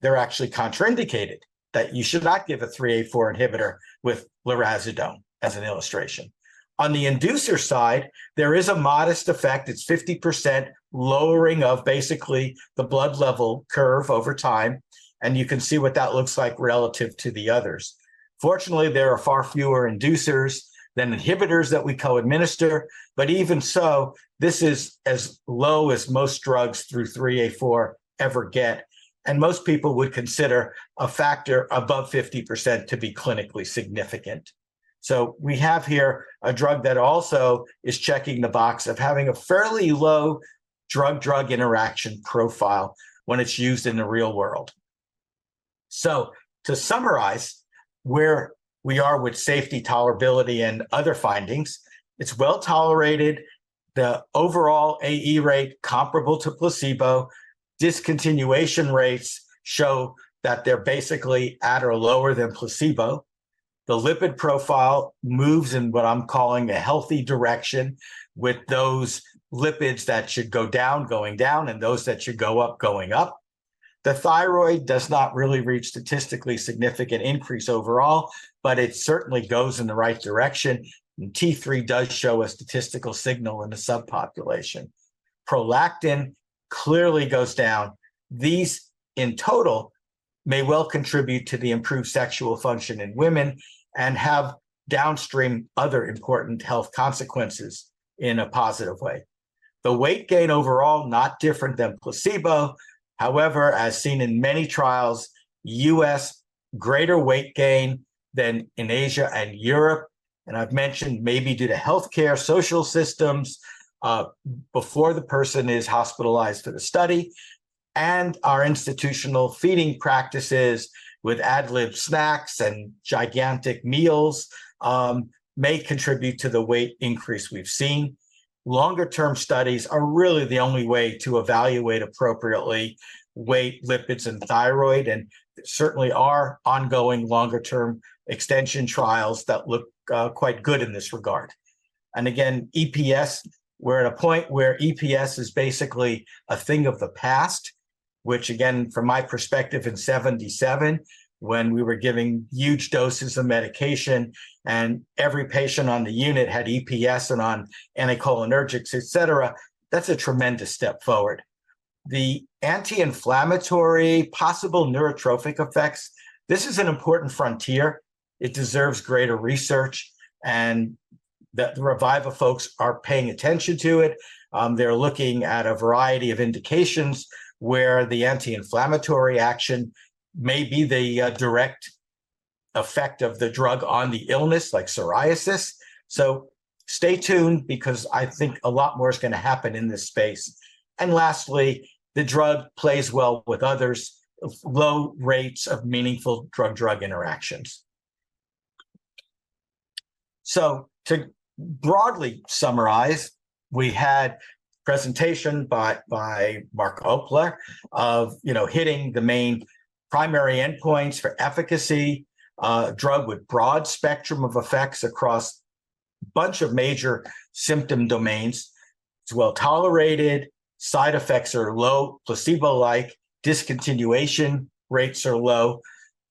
they're actually contraindicated that you should not give a 3A4 inhibitor with lurasidone as an illustration. On the inducer side, there is a modest effect. It's 50% lowering of basically the blood level curve over time. You can see what that looks like relative to the others. Fortunately, there are far fewer inducers than inhibitors that we co-administer. Even so, this is as low as most drugs through CYP3A4 ever get. Most people would consider a factor above 50% to be clinically significant. We have here a drug that also is checking the box of having a fairly low drug-drug interaction profile when it's used in the real world. To summarize where we are with safety, tolerability, and other findings, it's well tolerated. The overall AE rate comparable to placebo. Discontinuation rates show that they're basically at or lower than placebo. The lipid profile moves in what I'm calling a healthy direction with those lipids that should go down going down and those that should go up going up. The thyroid does not really reach statistically significant increase overall, but it certainly goes in the right direction. T3 does show a statistical signal in the subpopulation. Prolactin clearly goes down. These, in total, may well contribute to the improved sexual function in women and have downstream other important health consequences in a positive way. The weight gain overall, not different than placebo. However, as seen in many trials, U.S. greater weight gain than in Asia and Europe. I've mentioned maybe due to healthcare, social systems before the person is hospitalized for the study. Our institutional feeding practices with ad-lib snacks and gigantic meals may contribute to the weight increase we've seen. Longer-term studies are really the only way to evaluate appropriately weight, lipids, and thyroid. There certainly are ongoing longer-term extension trials that look quite good in this regard. And again, EPS, we're at a point where EPS is basically a thing of the past, which, again, from my perspective, in 1977, when we were giving huge doses of medication and every patient on the unit had EPS and on anticholinergics, etc., that's a tremendous step forward. The anti-inflammatory possible neurotrophic effects, this is an important frontier. It deserves greater research. The Reviva folks are paying attention to it. They're looking at a variety of indications where the anti-inflammatory action may be the direct effect of the drug on the illness, like psoriasis. Stay tuned because I think a lot more is going to happen in this space. Lastly, the drug plays well with others, low rates of meaningful drug-drug interactions. To broadly summarize, we had a presentation by Mark Opler of hitting the main primary endpoints for efficacy, a drug with a broad spectrum of effects across a bunch of major symptom domains. It's well tolerated. Side effects are low, placebo-like. Discontinuation rates are low.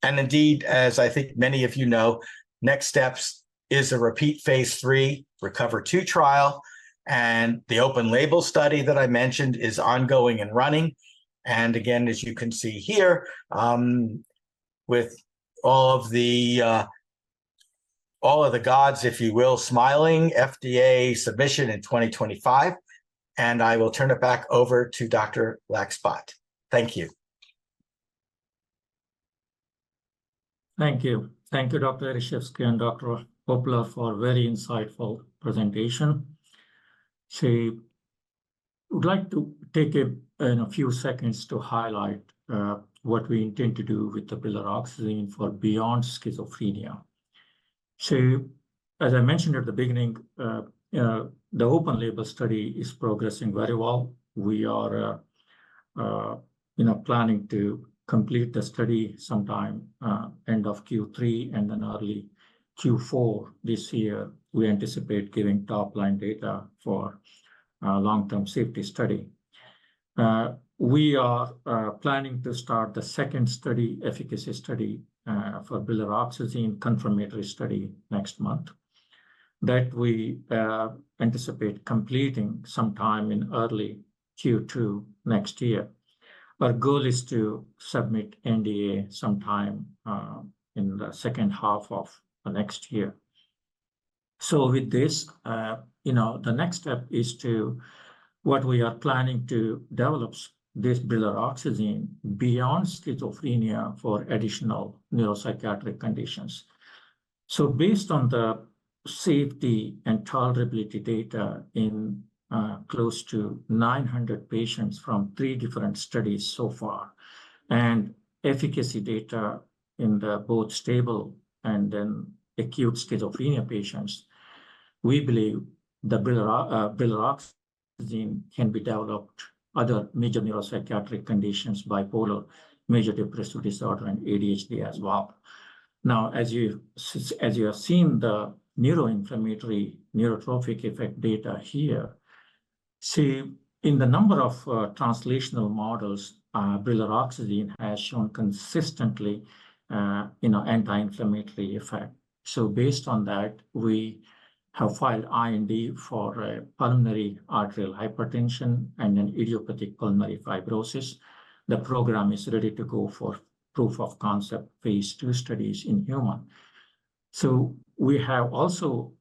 And indeed, as I think many of you know, next steps is a repeat phase III RECOVER-2 trial. The open-label study that I mentioned is ongoing and running. Again, as you can see here, with all of the gods, if you will, smiling, FDA submission in 2025. I will turn it back over to Dr. Lax Bhat. Thank you. Thank you. Thank you, Dr. Ereshefsky and Dr. Opler, for a very insightful presentation. I would like to take a few seconds to highlight what we intend to do with the brilaroxazine for beyond schizophrenia. As I mentioned at the beginning, the open-label study is progressing very well. We are planning to complete the study sometime end of Q3 and then early Q4 this year. We anticipate giving top-line data for a long-term safety study. We are planning to start the second study, efficacy study for brilaroxazine, confirmatory study next month that we anticipate completing sometime in early Q2 next year. Our goal is to submit NDA sometime in the second half of next year. With this, the next step is what we are planning to develop, this brilaroxazine, beyond schizophrenia for additional neuropsychiatric conditions. Based on the safety and tolerability data in close to 900 patients from 3 different studies so far and efficacy data in both stable and then acute schizophrenia patients, we believe brilaroxazine can be developed for other major neuropsychiatric conditions, bipolar, major depressive disorder, and ADHD as well. Now, as you have seen the neuroinflammatory neurotrophic effect data here, see, in the number of translational models, brilaroxazine has shown consistently anti-inflammatory effect. Based on that, we have filed IND for pulmonary arterial hypertension and then idiopathic pulmonary fibrosis. The program is ready to go for proof of concept phase II studies in human. We have also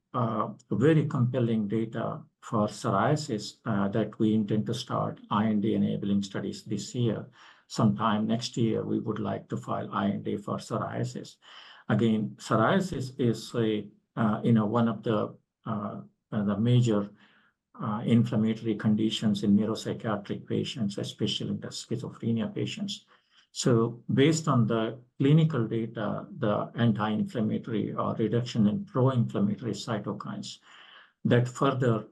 very compelling data for psoriasis that we intend to start IND-enabling studies this year. Sometime next year, we would like to file IND for psoriasis. Again, psoriasis is one of the major inflammatory conditions in neuropsychiatric patients, especially in the schizophrenia patients. Based on the clinical data, the anti-inflammatory reduction and pro-inflammatory cytokines further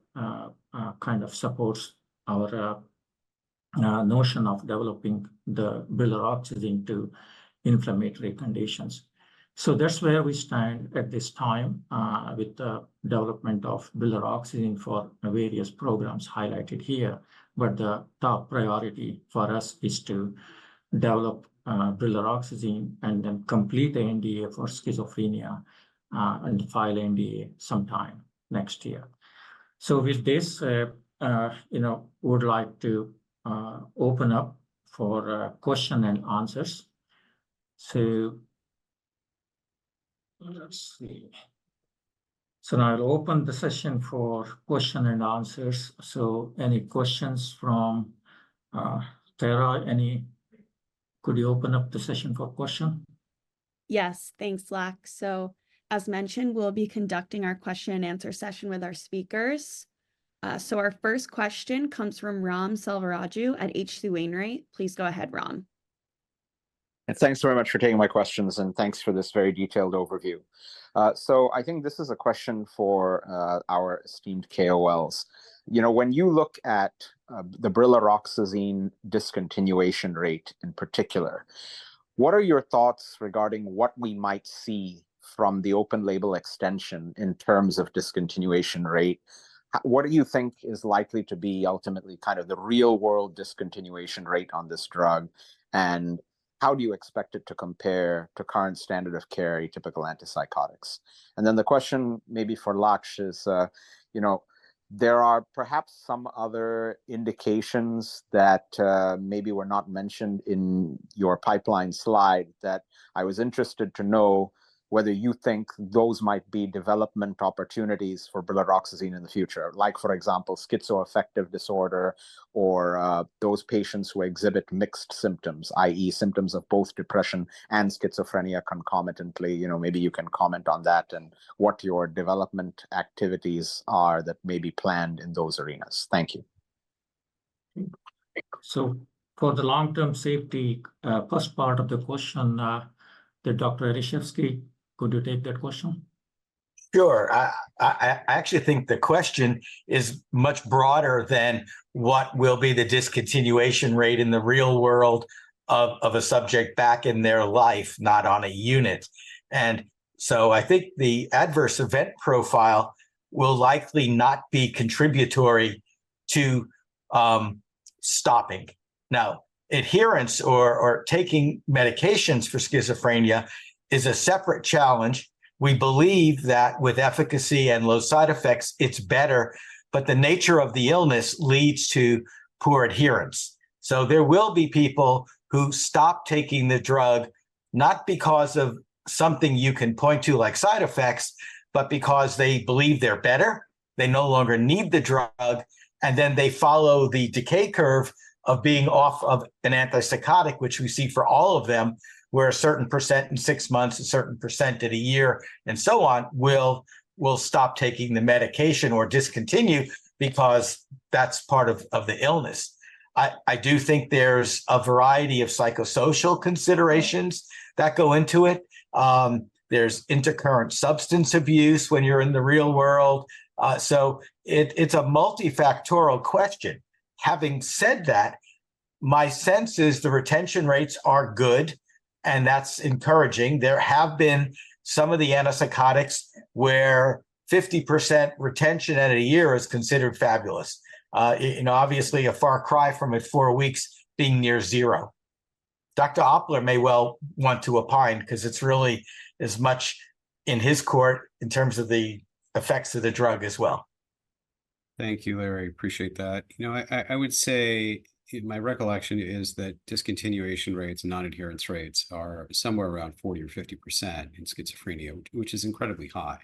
kind of support our notion of developing the brilaroxazine to inflammatory conditions. That's where we stand at this time with the development of brilaroxazine for various programs highlighted here. The top priority for us is to develop brilaroxazine and then complete the NDA for schizophrenia and file NDA sometime next year. With this, I would like to open up for questions and answers. Let's see. Now I'll open the session for questions and answers. Any questions from Tara? Could you open up the session for questions? Yes, thanks, Lax. As mentioned, we'll be conducting our question-and-answer session with our speakers. Our first question comes from Ram Selvaraju at H.C. Wainwright. Please go ahead, Ram. Thanks very much for taking my questions. Thanks for this very detailed overview. I think this is a question for our esteemed KOLs. When you look at the brilaroxazine discontinuation rate in particular, what are your thoughts regarding what we might see from the open-label extension in terms of discontinuation rate? What do you think is likely to be ultimately kind of the real-world discontinuation rate on this drug? How do you expect it to compare to current standard of care atypical antipsychotics? Then the question maybe for Lax is, there are perhaps some other indications that maybe were not mentioned in your pipeline slide that I was interested to know whether you think those might be development opportunities for brilaroxazine in the future, like, for example, schizoaffective disorder or those patients who exhibit mixed symptoms, i.e., symptoms of both depression and schizophrenia concomitantly. Maybe you can comment on that and what your development activities are that may be planned in those arenas? Thank you. For the long-term safety, first part of the question, Dr. Ereshefsky, could you take that question? Sure. I actually think the question is much broader than what will be the discontinuation rate in the real world of a subject back in their life, not on a unit. I think the adverse event profile will likely not be contributory to stopping. Now, adherence or taking medications for schizophrenia is a separate challenge. We believe that with efficacy and low side effects, it's better. The nature of the illness leads to poor adherence. There will be people who stop taking the drug not because of something you can point to like side effects, but because they believe they're better, they no longer need the drug. Then they follow the decay curve of being off of an antipsychotic, which we see for all of them, where a certain percent in six months, a certain percent in a year, and so on, will stop taking the medication or discontinue because that's part of the illness. I do think there's a variety of psychosocial considerations that go into it. There's intercurrent substance abuse when you're in the real world. It's a multifactorial question. Having said that, my sense is the retention rates are good. That's encouraging. There have been some of the antipsychotics where 50% retention at a year is considered fabulous. Obviously, a far cry from at four weeks being near zero. Dr. Opler may well want to opine because it's really as much in his court in terms of the effects of the drug as well. Thank you, Larry. Appreciate that. I would say my recollection is that discontinuation rates and non-adherence rates are somewhere around 40% or 50% in schizophrenia, which is incredibly high.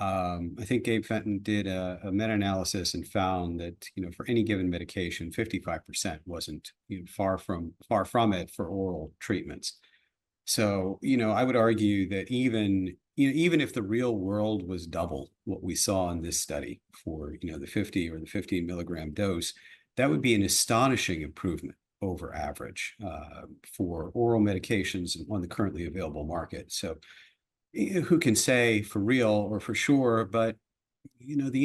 I think Wayne Fenton did a meta-analysis and found that for any given medication, 55% wasn't far from it for oral treatments. I would argue that even if the real world was double what we saw in this study for the 50 mg or the 15-mg dose, that would be an astonishing improvement over average for oral medications on the currently available market. Who can say for real or for sure? The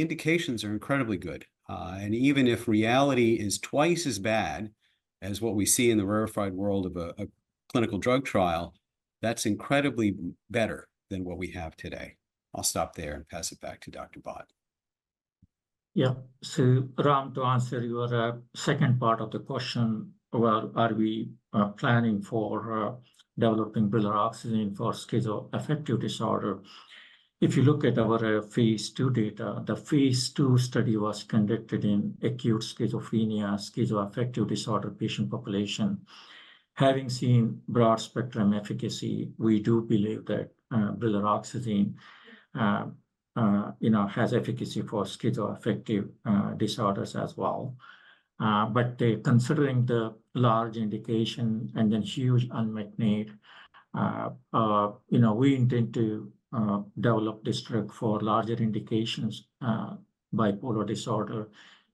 indications are incredibly good. Even if reality is twice as bad as what we see in the rarefied world of a clinical drug trial, that's incredibly better than what we have today. I'll stop there and pass it back to Dr. Bhat. Yeah. Ram, to answer your second part of the question, well, are we planning for developing brilaroxazine for schizoaffective disorder? If you look at our phase II data, the phase II study was conducted in acute schizophrenia, schizoaffective disorder patient population. Having seen broad-spectrum efficacy, we do believe that brilaroxazine has efficacy for schizoaffective disorders as well. Considering the large indication and then huge unmet need, we intend to develop this drug for larger indications: bipolar disorder,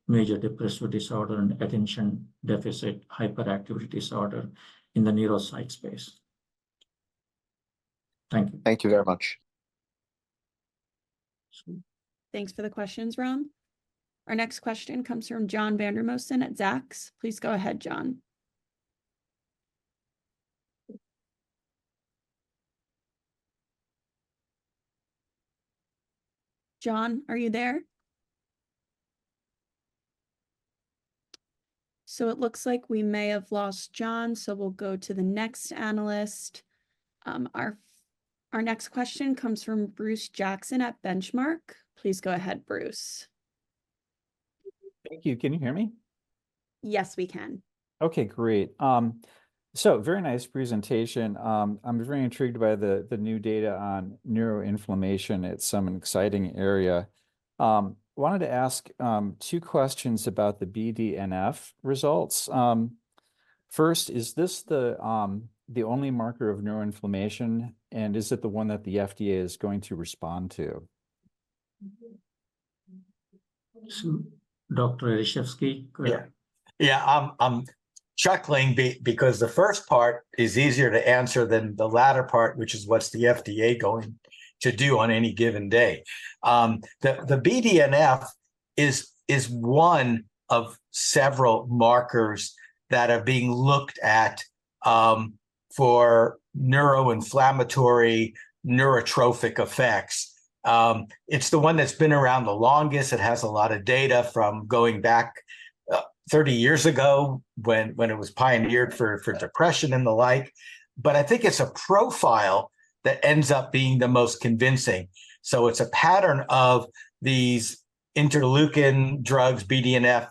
major depressive disorder, and attention deficit hyperactivity disorder in the neuropsych space. Thank you. Thank you very much. Thanks for the questions, Ram. Our next question comes from John Vandermosten at Zacks. Please go ahead, John. John, are you there? It looks like we may have lost John. We'll go to the next analyst. Our next question comes from Bruce Jackson at Benchmark. Please go ahead, Bruce. Thank you. Can you hear me? Yes, we can. Okay, great. Very nice presentation. I'm very intrigued by the new data on neuroinflammation. It's some exciting area. I wanted to ask two questions about the BDNF results. First, is this the only marker of neuroinflammation? Is it the one that the FDA is going to respond to? Dr. Ereshefsky, go ahead. Yeah. Yeah, I'm chuckling because the first part is easier to answer than the latter part, which is what's the FDA going to do on any given day. The BDNF is one of several markers that are being looked at for neuroinflammatory neurotrophic effects. It's the one that's been around the longest. It has a lot of data from going back 30 years ago when it was pioneered for depression and the like. But I think it's a profile that ends up being the most convincing. It's a pattern of these interleukin drugs, BDNF,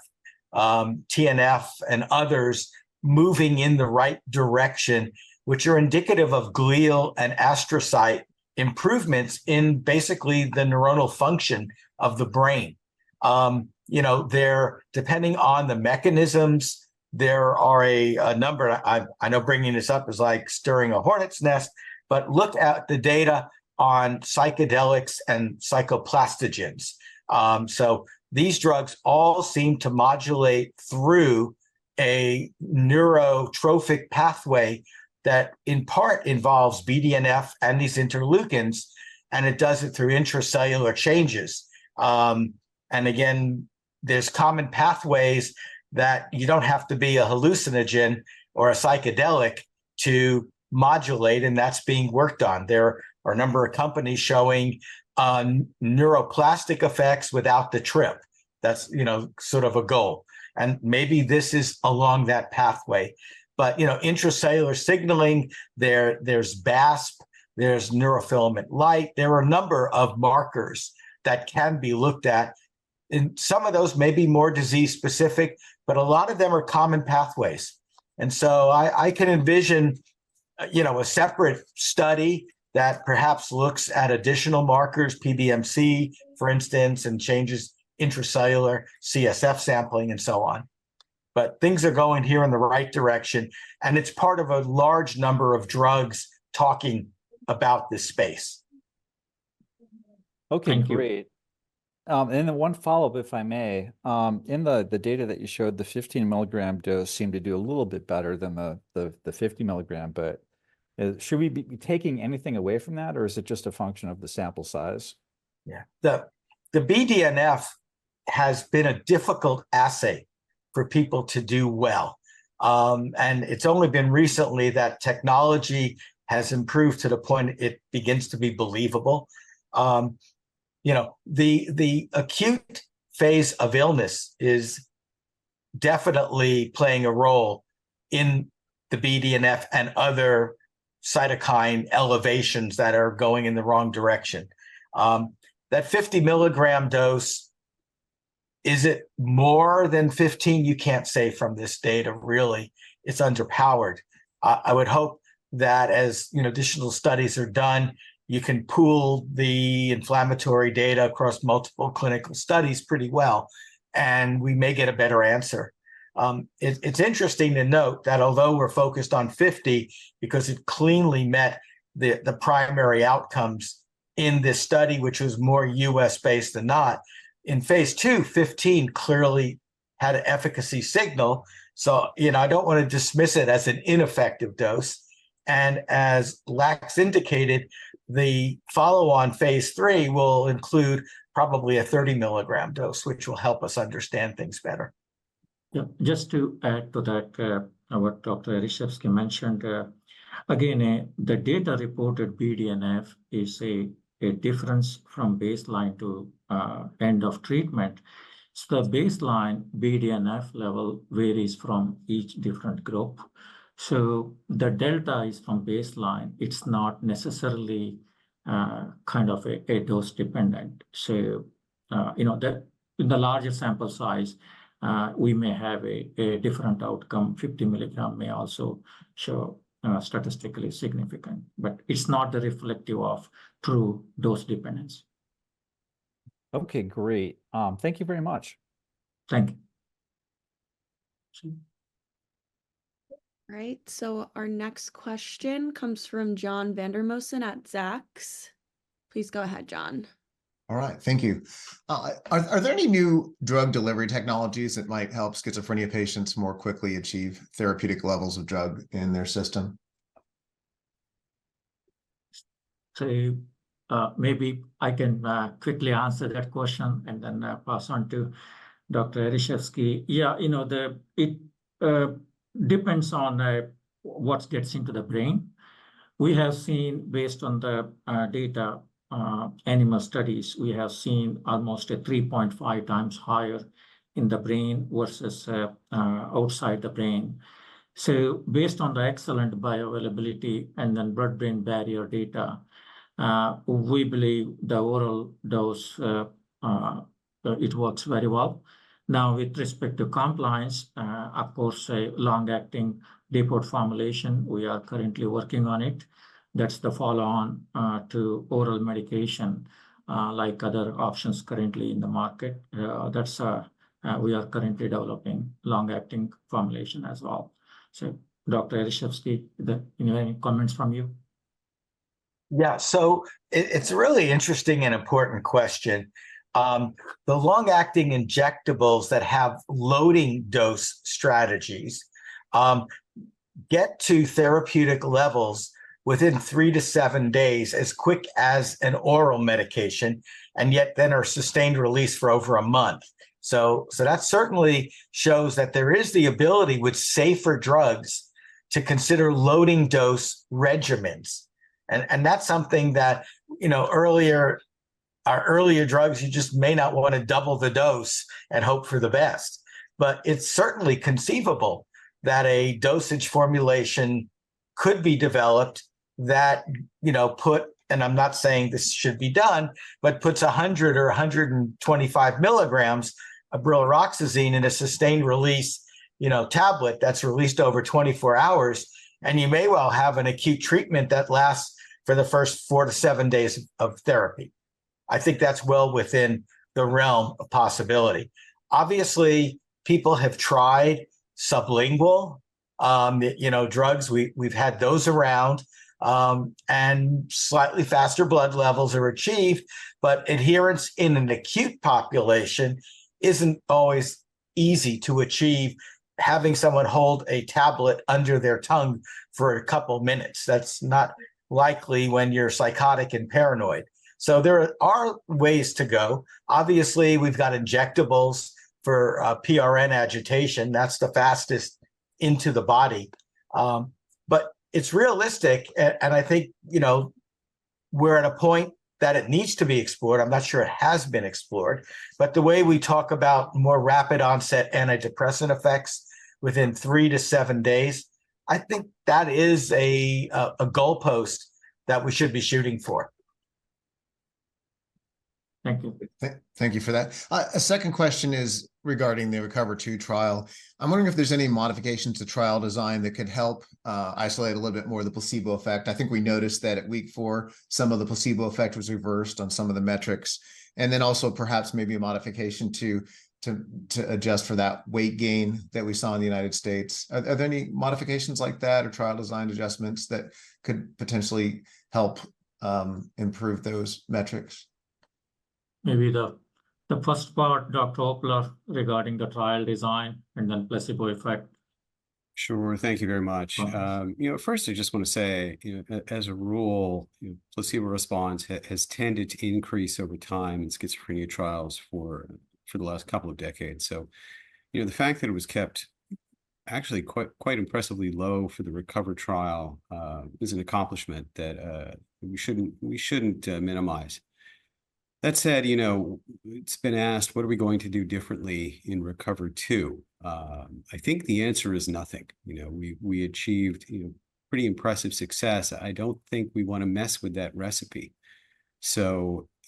TNF, and others moving in the right direction, which are indicative of glial and astrocytes improvements in basically the neuronal function of the brain. Depending on the mechanisms, there are a number. I know bringing this up is like stirring a hornet's nest. Look at the data on psychedelics and psychoplastogens. These drugs all seem to modulate through a neurotrophic pathway that in part involves BDNF and these interleukins. It does it through intracellular changes. Again, there's common pathways that you don't have to be a hallucinogen or a psychedelic to modulate. That's being worked on. There are a number of companies showing neuroplastic effects without the trip. That's sort of a goal. Maybe this is along that pathway. Intracellular signaling, there's BASP, there's neurofilament light. There are a number of markers that can be looked at. Some of those may be more disease-specific, but a lot of them are common pathways. I can envision a separate study that perhaps looks at additional markers, PBMC, for instance, and changes, intracellular CSF sampling, and so on. Things are going here in the right direction. It's part of a large number of drugs talking about this space. Okay, great. Then one follow-up, if I may. In the data that you showed, the 15-mg dose seemed to do a little bit better than the 50-mg. Should we be taking anything away from that, or is it just a function of the sample size? Yeah. The BDNF has been a difficult assay for people to do well. It's only been recently that technology has improved to the point it begins to be believable. The acute phase of illness is definitely playing a role in the BDNF and other cytokine elevations that are going in the wrong direction. That 50-mg dose, is it more than 15 mg? You can't say from this data, really. It's underpowered. I would hope that as additional studies are done, you can pool the inflammatory data across multiple clinical studies pretty well. We may get a better answer. It's interesting to note that although we're focused on 50 mg because it cleanly met the primary outcomes in this study, which was more U.S.-based than not, in phase II, 15 mg clearly had an efficacy signal. I don't want to dismiss it as an ineffective dose. As Lax indicated, the follow-on phase III will include probably a 30-mg dose, which will help us understand things better. Yeah. Just to add to that, what Dr. Ereshefsky mentioned, again, the data reported BDNF is a difference from baseline to end-of-treatment. The baseline BDNF level varies from each different group. The delta is from baseline. It's not necessarily kind of a dose-dependent. In the larger sample size, we may have a different outcome. 50 mg may also show statistically significant. It's not the reflective of true dose dependence. Okay, great. Thank you very much. Thank you. All right. Our next question comes from John Vandermosten at Zacks. Please go ahead, John. All right. Thank you. Are there any new drug delivery technologies that might help schizophrenia patients more quickly achieve therapeutic levels of drug in their system? Maybe I can quickly answer that question and then pass on to Dr. Ereshefsky. Yeah, it depends on what gets into the brain. We have seen, based on the data animal studies, we have seen almost a 3.5x higher in the brain versus outside the brain. Based on the excellent bioavailability and then blood-brain barrier data, we believe the oral dose, it works very well. Now, with respect to compliance, of course, a long-acting depot formulation, we are currently working on it. That's the follow-on to oral medication like other options currently in the market. We are currently developing long-acting formulation as well. Dr. Ereshefsky, any comments from you? Yeah. It's a really interesting and important question. The long-acting injectables that have loading dose strategies get to therapeutic levels within 3 days-7 days as quick as an oral medication, and yet then are sustained-release for over a month. That certainly shows that there is the ability with safer drugs to consider loading dose regimens. That's something that our earlier drugs, you just may not want to double the dose and hope for the best. It's certainly conceivable that a dosage formulation could be developed that put, and I'm not saying this should be done, but puts 100 mg or 125 mg of brilaroxazine in a sustained-release tablet that's released over 24 hours. You may well have an acute treatment that lasts for the first 4 days-7 days of therapy. I think that's well within the realm of possibility. Obviously, people have tried sublingual drugs. We've had those around. Slightly faster blood levels are achieved. Adherence in an acute population isn't always easy to achieve, having someone hold a tablet under their tongue for a couple of minutes. That's not likely when you're psychotic and paranoid. There are ways to go. Obviously, we've got injectables for PRN agitation. That's the fastest into the body. It's realistic. I think we're at a point that it needs to be explored. I'm not sure it has been explored. The way we talk about more rapid-onset antidepressant effects within 3 days-7 days, I think that is a goalpost that we should be shooting for. Thank you. Thank you for that. A second question is regarding the RECOVER-2 trial. I'm wondering if there's any modifications to trial design that could help isolate a little bit more the placebo effect. I think we noticed that at week 4, some of the placebo effect was reversed on some of the metrics. Then also perhaps maybe a modification to adjust for that weight gain that we saw in the United States. Are there any modifications like that or trial design adjustments that could potentially help improve those metrics? Maybe the first part, Dr. Opler, regarding the trial design and then placebo effect. Sure. Thank you very much. First, I just want to say, as a rule, placebo response has tended to increase over time in schizophrenia trials for the last couple of decades. The fact that it was kept actually quite impressively low for the RECOVER trial is an accomplishment that we shouldn't minimize. That said, it's been asked, "What are we going to do differently in RECOVER-2?" I think the answer is nothing. We achieved pretty impressive success. I don't think we want to mess with that recipe.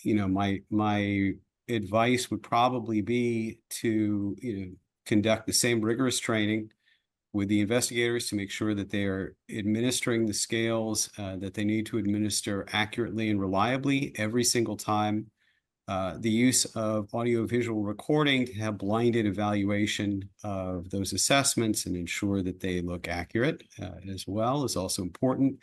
My advice would probably be to conduct the same rigorous training with the investigators to make sure that they are administering the scales that they need to administer accurately and reliably every single time. The use of audiovisual recording to have blinded evaluation of those assessments and ensure that they look accurate as well is also important.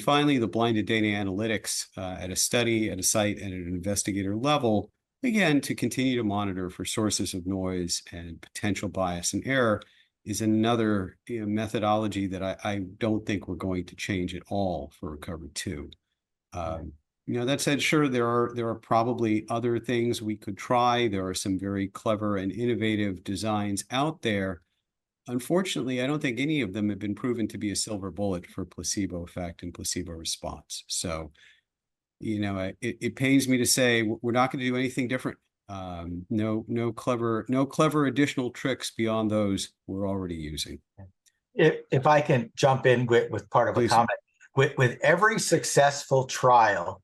Finally, the blinded data analytics at a study, at a site, and at an investigator level, again, to continue to monitor for sources of noise and potential bias and error is another methodology that I don't think we're going to change at all for RECOVER-2. That said, sure, there are probably other things we could try. There are some very clever and innovative designs out there. Unfortunately, I don't think any of them have been proven to be a silver bullet for placebo effect and placebo response. It pains me to say we're not going to do anything different. No clever additional tricks beyond those we're already using. If I can jump in with part of a comment. With every successful trial,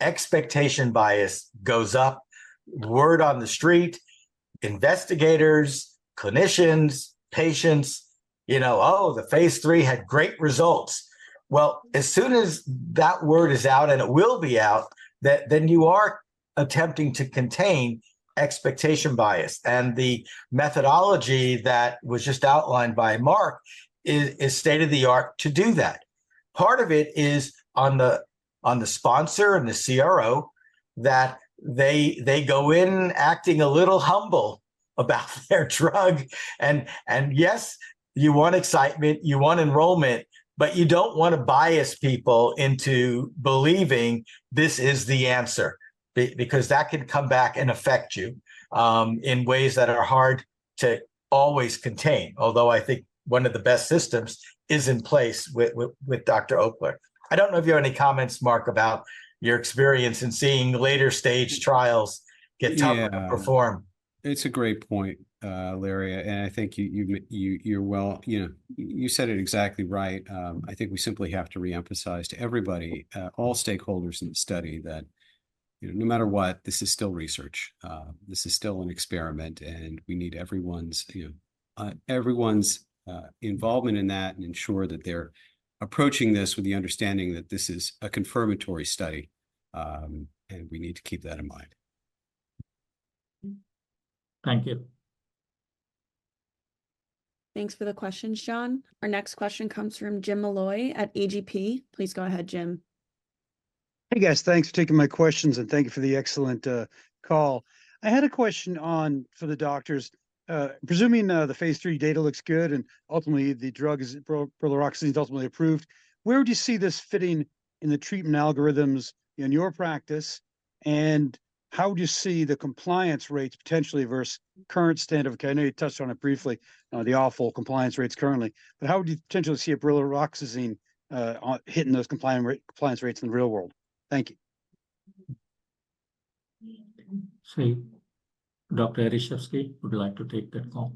expectation bias goes up. Word on the street, investigators, clinicians, patients, "Oh, the phase III had great results." Well, as soon as that word is out, and it will be out, then you are attempting to contain expectation bias. The methodology that was just outlined by Mark is state-of-the-art to do that. Part of it is on the sponsor and the CRO that they go in acting a little humble about their drug. Yes, you want excitement. You want enrollment. You don't want to bias people into believing this is the answer because that can come back and affect you in ways that are hard to always contain, although I think one of the best systems is in place with Dr. Opler. I don't know if you have any comments, Mark, about your experience in seeing later-stage trials get tougher to perform. Yeah. It's a great point, Larry. I think, well, you said it exactly right. I think we simply have to reemphasize to everybody, all stakeholders in the study, that no matter what, this is still research. This is still an experiment. We need everyone's involvement in that and ensure that they're approaching this with the understanding that this is a confirmatory study. We need to keep that in mind. Thank you. Thanks for the questions, John. Our next question comes from Jim Molloy at AGP. Please go ahead, Jim. Hey, guys. Thanks for taking my questions. Thank you for the excellent call. I had a question for the doctors. Presuming the phase III data looks good, and ultimately, the drug, brilaroxazine, is ultimately approved, where would you see this fitting in the treatment algorithms in your practice? How would you see the compliance rates potentially versus current standard of care? I know you touched on it briefly, the awful compliance rates currently. How would you potentially see brilaroxazine hitting those compliance rates in the real world? Thank you. Same here. Dr. Ereshefsky, would you like to take that call?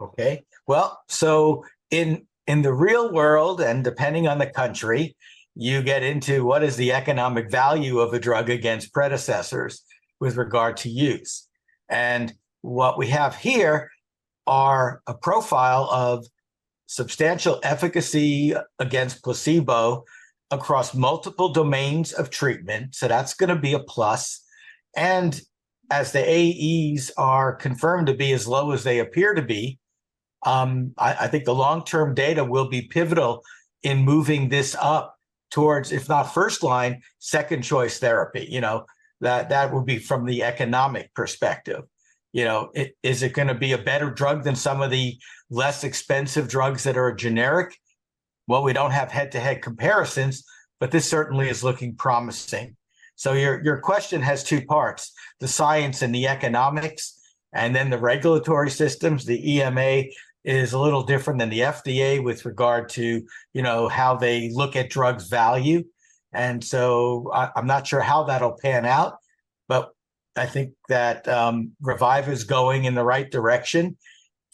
Okay. Well, so in the real world, and depending on the country, you get into what is the economic value of a drug against predecessors with regard to use. What we have here are a profile of substantial efficacy against placebo across multiple domains of treatment. That's going to be a plus. As the AEs are confirmed to be as low as they appear to be, I think the long-term data will be pivotal in moving this up towards, if not first-line, second-choice therapy. That will be from the economic perspective. Is it going to be a better drug than some of the less expensive drugs that are generic? Well, we don't have head-to-head comparisons. This certainly is looking promising. Your question has two parts, the science and the economics, and then the regulatory systems. The EMA is a little different than the FDA with regard to how they look at drugs' value. I'm not sure how that'll pan out. I think that Reviva is going in the right direction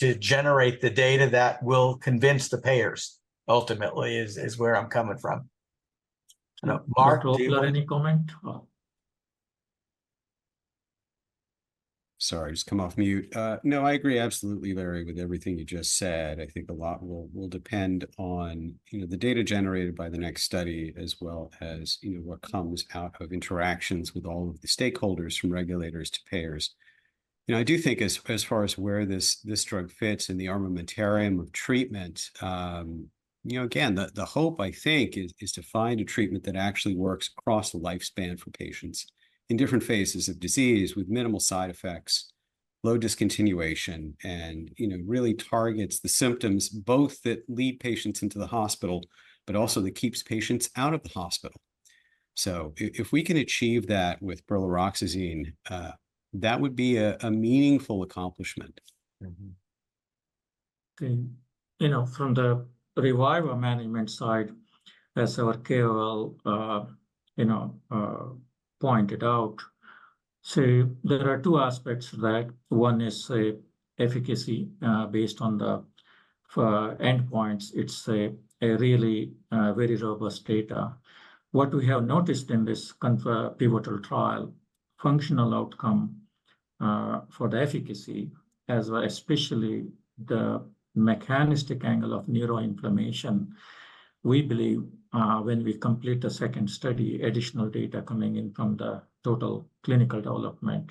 to generate the data that will convince the payers, ultimately, is where I'm coming from. Mark, do you have any comment? Sorry. Just come off mute. No, I agree absolutely, Larry, with everything you just said. I think a lot will depend on the data generated by the next study as well as what comes out of interactions with all of the stakeholders, from regulators to payers. I do think as far as where this drug fits in the armamentarium of treatment, again, the hope, I think, is to find a treatment that actually works across the lifespan for patients in different phases of disease with minimal side effects, low discontinuation, and really targets the symptoms, both that lead patients into the hospital, but also that keeps patients out of the hospital. If we can achieve that with brilaroxazine, that would be a meaningful accomplishment. Okay. From the Reviva management side, as our KOL pointed out, so there are two aspects to that. One is the efficacy based on the endpoints. It's a really very robust data. What we have noticed in this pivotal trial, functional outcome for the efficacy, as well as especially the mechanistic angle of neuroinflammation, we believe when we complete the second study, additional data coming in from the total clinical development,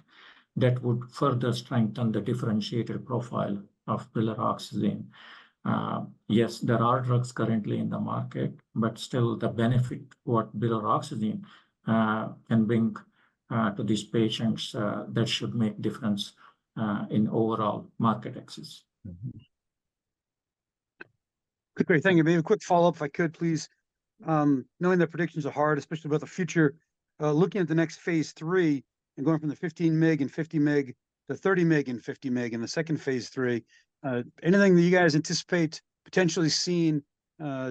that would further strengthen the differentiated profile of brilaroxazine. Yes, there are drugs currently in the market. Still, the benefit of what brilaroxazine can bring to these patients, that should make a difference in overall market access. Great. Thank you. Maybe a quick follow-up, if I could, please. Knowing that predictions are hard, especially about the future, looking at the next phase III and going from the 15 mg and 50 mg to 30 mg and 50 mg in the second phase III, anything that you guys anticipate potentially seeing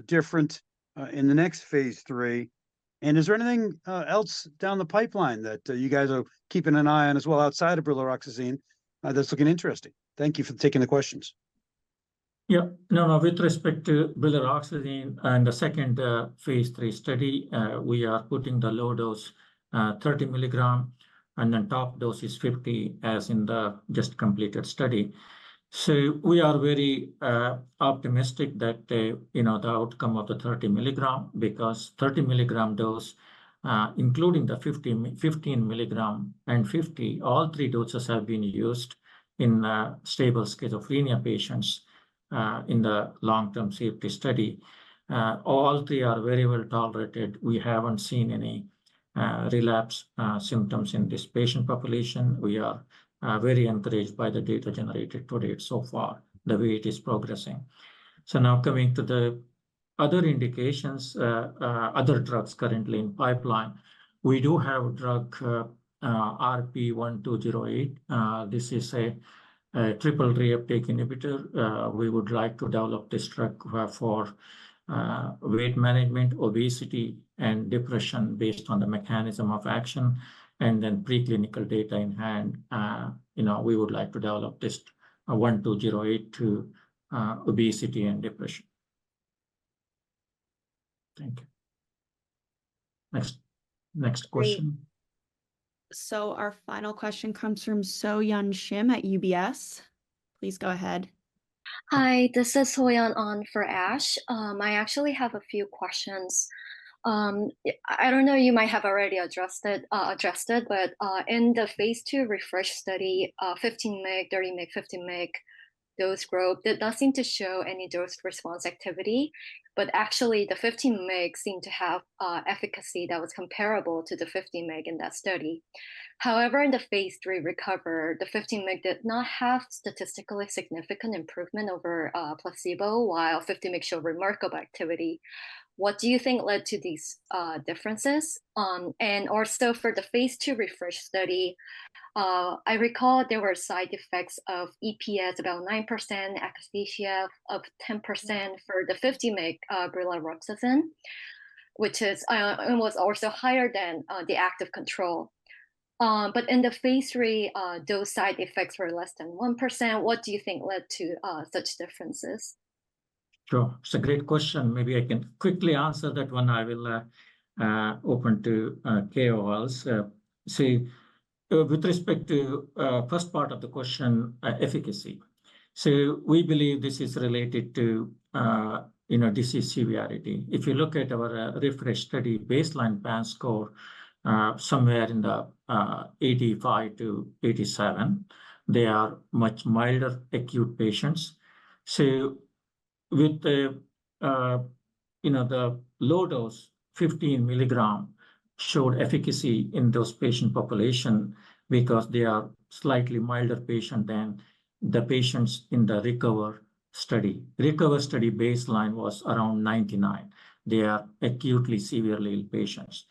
different in the next phase III? Is there anything else down the pipeline that you guys are keeping an eye on as well outside of brilaroxazine that's looking interesting? Thank you for taking the questions. Yeah. No, no. With respect to brilaroxazine and the second phase III study, we are putting the low dose, 30 mg, and then top dose is 50 mg as in the just completed study. We are very optimistic about the outcome of the 30 mg because 30 mg dose, including the 15 mg and 50 mg, all three doses have been used in stable schizophrenia patients in the long-term safety study. All three are very well tolerated. We haven't seen any relapse symptoms in this patient population. We are very encouraged by the data generated to date so far, the way it is progressing. Now coming to the other indications, other drugs currently in pipeline, we do have drug RP1208. This is a triple reuptake inhibitor. We would like to develop this drug for weight management, obesity, and depression based on the mechanism of action. Then, preclinical data in hand, we would like to develop this 1208 to obesity and depression. Thank you. Next question. Our final question comes from Soyoun Shim at UBS. Please go ahead. Hi. This is Soyoun on for Ash. I actually have a few questions. I don't know. You might have already addressed it. In the phase II REFRESH study, 15 mg, 30 mg, 50 mg dose group, it does seem to show any dose response activity. Actually, the 15 mg seemed to have efficacy that was comparable to the 50 mg in that study. However, in the phase III RECOVER, the 15 mg did not have statistically significant improvement over placebo, while 50 mg showed remarkable activity. What do you think led to these differences? Also for the phase II REFRESH study, I recall there were side effects of EPS about 9%, akathisia of 10% for the 50 mg brilaroxazine, which was also higher than the active control. In the phase III, those side effects were less than 1%. What do you think led to such differences? Sure. It's a great question. Maybe I can quickly answer that one. I will open to KOLs. With respect to the first part of the question, efficacy, we believe this is related to disease severity. If you look at our REFRESH study baseline PANSS score somewhere in the 85-87, they are much milder acute patients. With the low dose, 15 mg showed efficacy in those patient populations because they are slightly milder patients than the patients in the RECOVER study. RECOVER study baseline was around 99. They are acutely severely ill patients.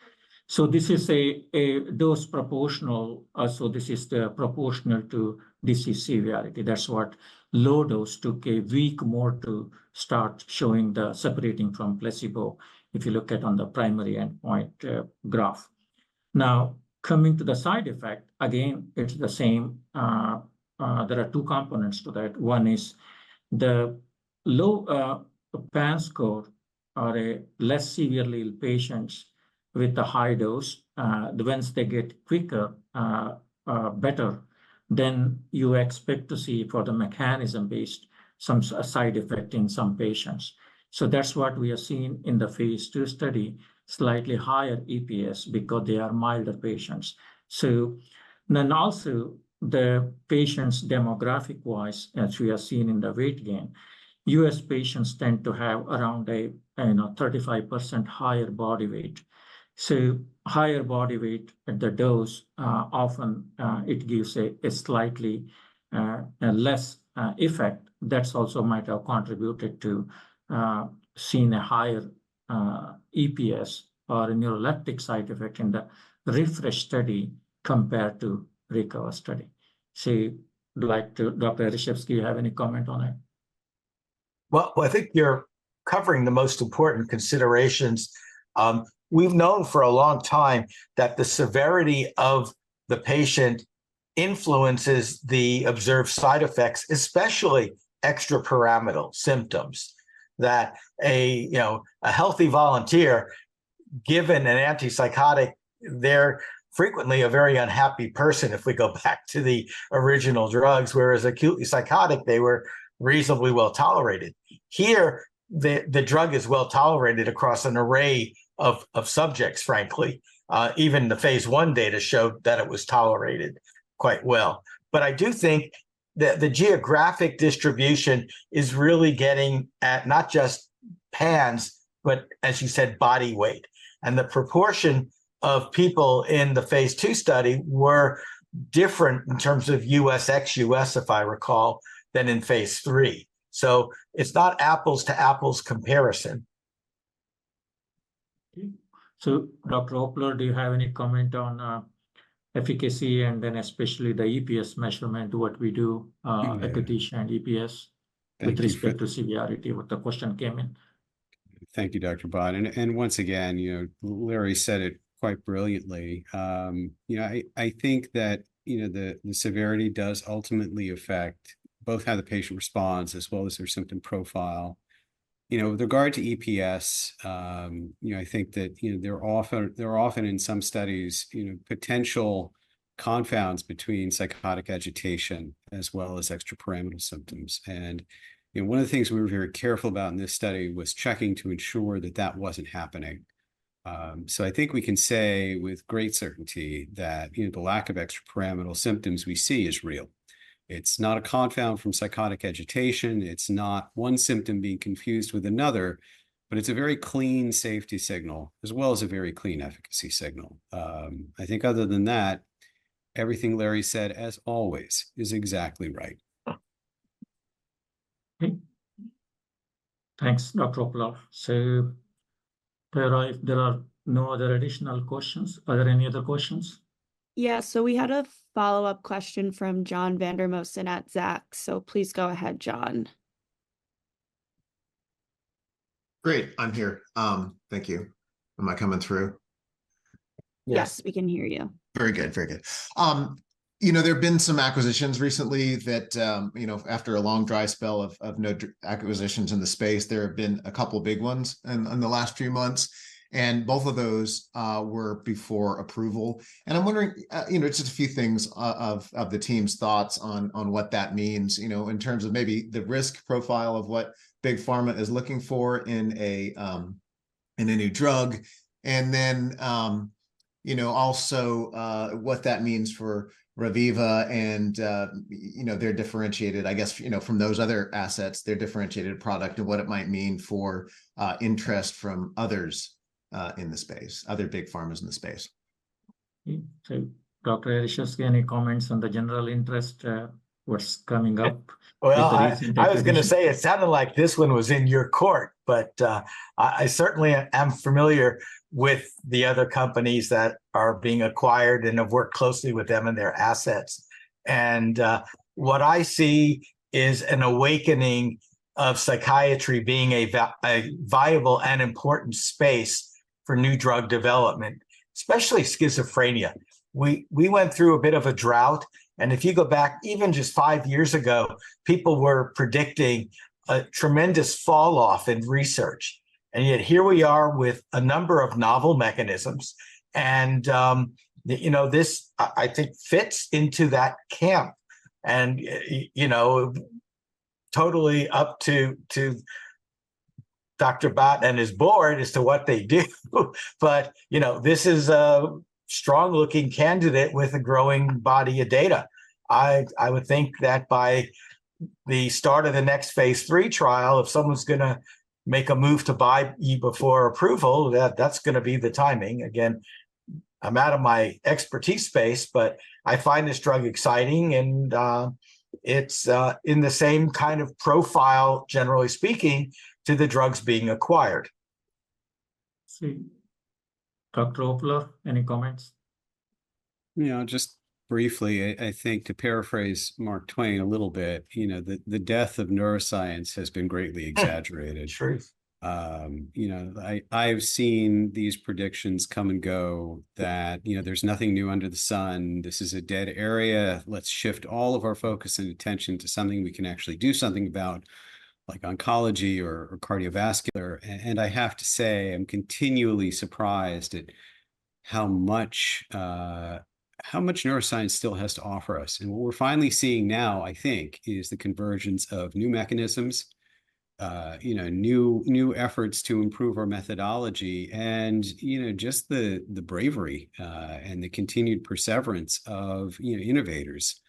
This is a dose proportional. This is proportional to disease severity. That's why low dose took a week more to start showing the separating from placebo if you look at on the primary endpoint graph. Now coming to the side effect, again, it's the same. There are two components to that. One is the low baseline score are less severely ill patients with the high dose. Once they get quicker, better, then you expect to see for the mechanism-based some side effects in some patients. That's what we have seen in the phase II study, slightly higher EPS because they are milder patients. Then also, the patients demographic-wise, as we have seen in the weight gain, U.S. patients tend to have around a 35% higher body weight. Higher body weight at the dose, often, it gives a slightly less effect that also might have contributed to seeing a higher EPS or a neuroleptic side effect in the REFRESH study compared to RECOVER study. I'd like to Dr. Ereshefsky, do you have any comment on it? Well, I think you're covering the most important considerations. We've known for a long time that the severity of the patient influences the observed side effects, especially extrapyramidal symptoms, that a healthy volunteer, given an antipsychotic, they're frequently a very unhappy person, if we go back to the original drugs, whereas acutely psychotic, they were reasonably well tolerated. Here, the drug is well tolerated across an array of subjects, frankly. Even the phase I data showed that it was tolerated quite well. I do think that the geographic distribution is really getting at not just PANSS, but, as you said, body weight. The proportion of people in the phase II study were different in terms of U.S./ex-U.S., if I recall, than in phase III. It's not apples to apples comparison. Okay. So Dr. Opler, do you have any comment on efficacy and then especially the EPS measurement, what we do, akathisia and EPS with respect to severity, what the question came in? Thank you, Dr. Bhat. Once again, Larry said it quite brilliantly. I think that the severity does ultimately affect both how the patient responds as well as their symptom profile. With regard to EPS, I think that there are often, in some studies, potential confounds between psychotic agitation as well as extrapyramidal symptoms. One of the things we were very careful about in this study was checking to ensure that that wasn't happening. I think we can say with great certainty that the lack of extrapyramidal symptoms we see is real. It's not a confound from psychotic agitation. It's not one symptom being confused with another. It's a very clean safety signal as well as a very clean efficacy signal. I think other than that, everything Larry said, as always, is exactly right. Thanks, Dr. Opler. There are no other additional questions. Are there any other questions? Yeah. We had a follow-up question from John Vandermosten at Zacks. Please go ahead, John. Great. I'm here. Thank you. Am I coming through? Yes. Yes, we can hear you. Very good. Very good. There have been some acquisitions recently that, after a long dry spell of no acquisitions in the space, there have been a couple of big ones in the last few months. Both of those were before approval. I'm wondering, it's just a few things of the team's thoughts on what that means in terms of maybe the risk profile of what Big Pharma is looking for in a new drug, and then also what that means for Reviva and their differentiated, I guess, from those other assets, their differentiated product and what it might mean for interest from others in the space, other Big Pharmas in the space. Okay. Dr. Ereshefsky, any comments on the general interest? What's coming up with the recent interest? Well, I was going to say it sounded like this one was in your court. I certainly am familiar with the other companies that are being acquired and have worked closely with them and their assets. What I see is an awakening of psychiatry being a viable and important space for new drug development, especially schizophrenia. We went through a bit of a drought. If you go back even just five years ago, people were predicting a tremendous falloff in research. Yet here we are with a number of novel mechanisms. This, I think, fits into that camp. Totally up to Dr. Bhat and his Board as to what they do. This is a strong-looking candidate with a growing body of data. I would think that by the start of the next phase III trial, if someone's going to make a move to buy you before approval, that's going to be the timing. Again, I'm out of my expertise space. I find this drug exciting. And It's in the same kind of profile, generally speaking, to the drugs being acquired. Okay. Dr. Opler, any comments? Yeah. Just briefly, I think to paraphrase Mark Twain a little bit, the death of neuroscience has been greatly exaggerated. I've seen these predictions come and go that there's nothing new under the sun. This is a dead area. Let's shift all of our focus and attention to something we can actually do something about, like oncology or cardiovascular. I have to say, I'm continually surprised at how much neuroscience still has to offer us. What we're finally seeing now, I think, is the convergence of new mechanisms, new efforts to improve our methodology, and just the bravery and the continued perseverance of innovators.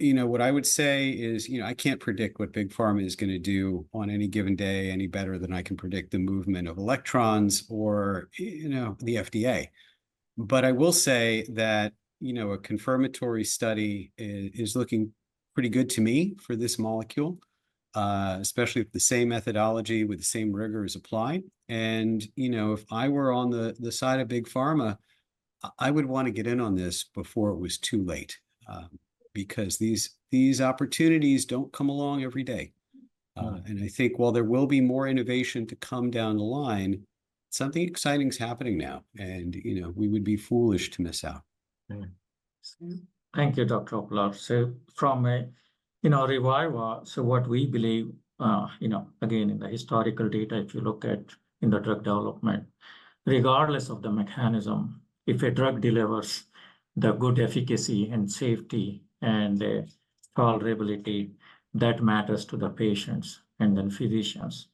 What I would say is I can't predict what Big Pharma is going to do on any given day any better than I can predict the movement of electrons or the FDA. I will say that a confirmatory study is looking pretty good to me for this molecule, especially if the same methodology with the same rigor is applied. If I were on the side of Big Pharma, I would want to get in on this before it was too late because these opportunities don't come along every day. I think while there will be more innovation to come down the line, something exciting is happening now. We would be foolish to miss out. Thank you, Dr. Opler. From Reviva, what we believe, again, in the historical data, if you look at the drug development, regardless of the mechanism, if a drug delivers the good efficacy and safety and the tolerability, that matters to the patients and then physicians.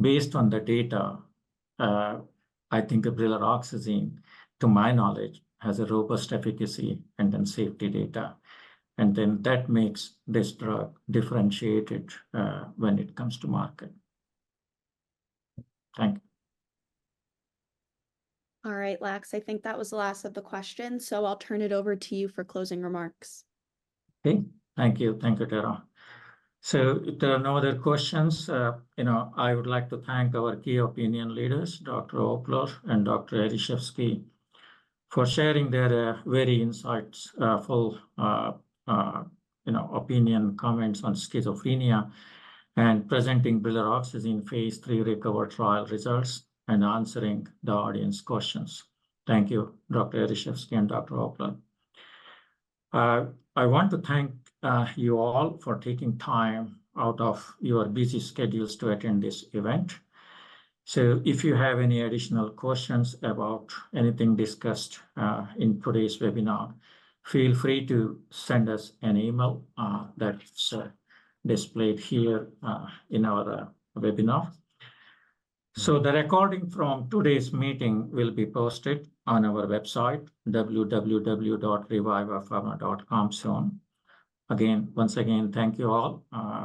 Based on the data, I think brilaroxazine, to my knowledge, has a robust efficacy and then safety data. That makes this drug differentiated when it comes to market. Thank you. All right, Lax, I think that was the last of the questions. I'll turn it over to you for closing remarks. Okay. Thank you. Thank you, Tara. If there are no other questions, I would like to thank our key opinion leaders, Dr. Opler and Dr. Ereshefsky, for sharing their very insightful opinion comments on schizophrenia and presenting brilaroxazine phase III RECOVER trial results and answering the audience questions. Thank you, Dr. Ereshefsky and Dr. Opler. I want to thank you all for taking time out of your busy schedules to attend this event. If you have any additional questions about anything discussed in today's webinar, feel free to send us an email that's displayed here in our webinar. The recording from today's meeting will be posted on our website, www.revivapharma.com, soon. Again, once again, thank you all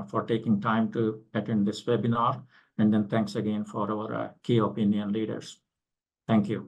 for taking time to attend this webinar. Then thanks again for our key opinion leaders. Thank you.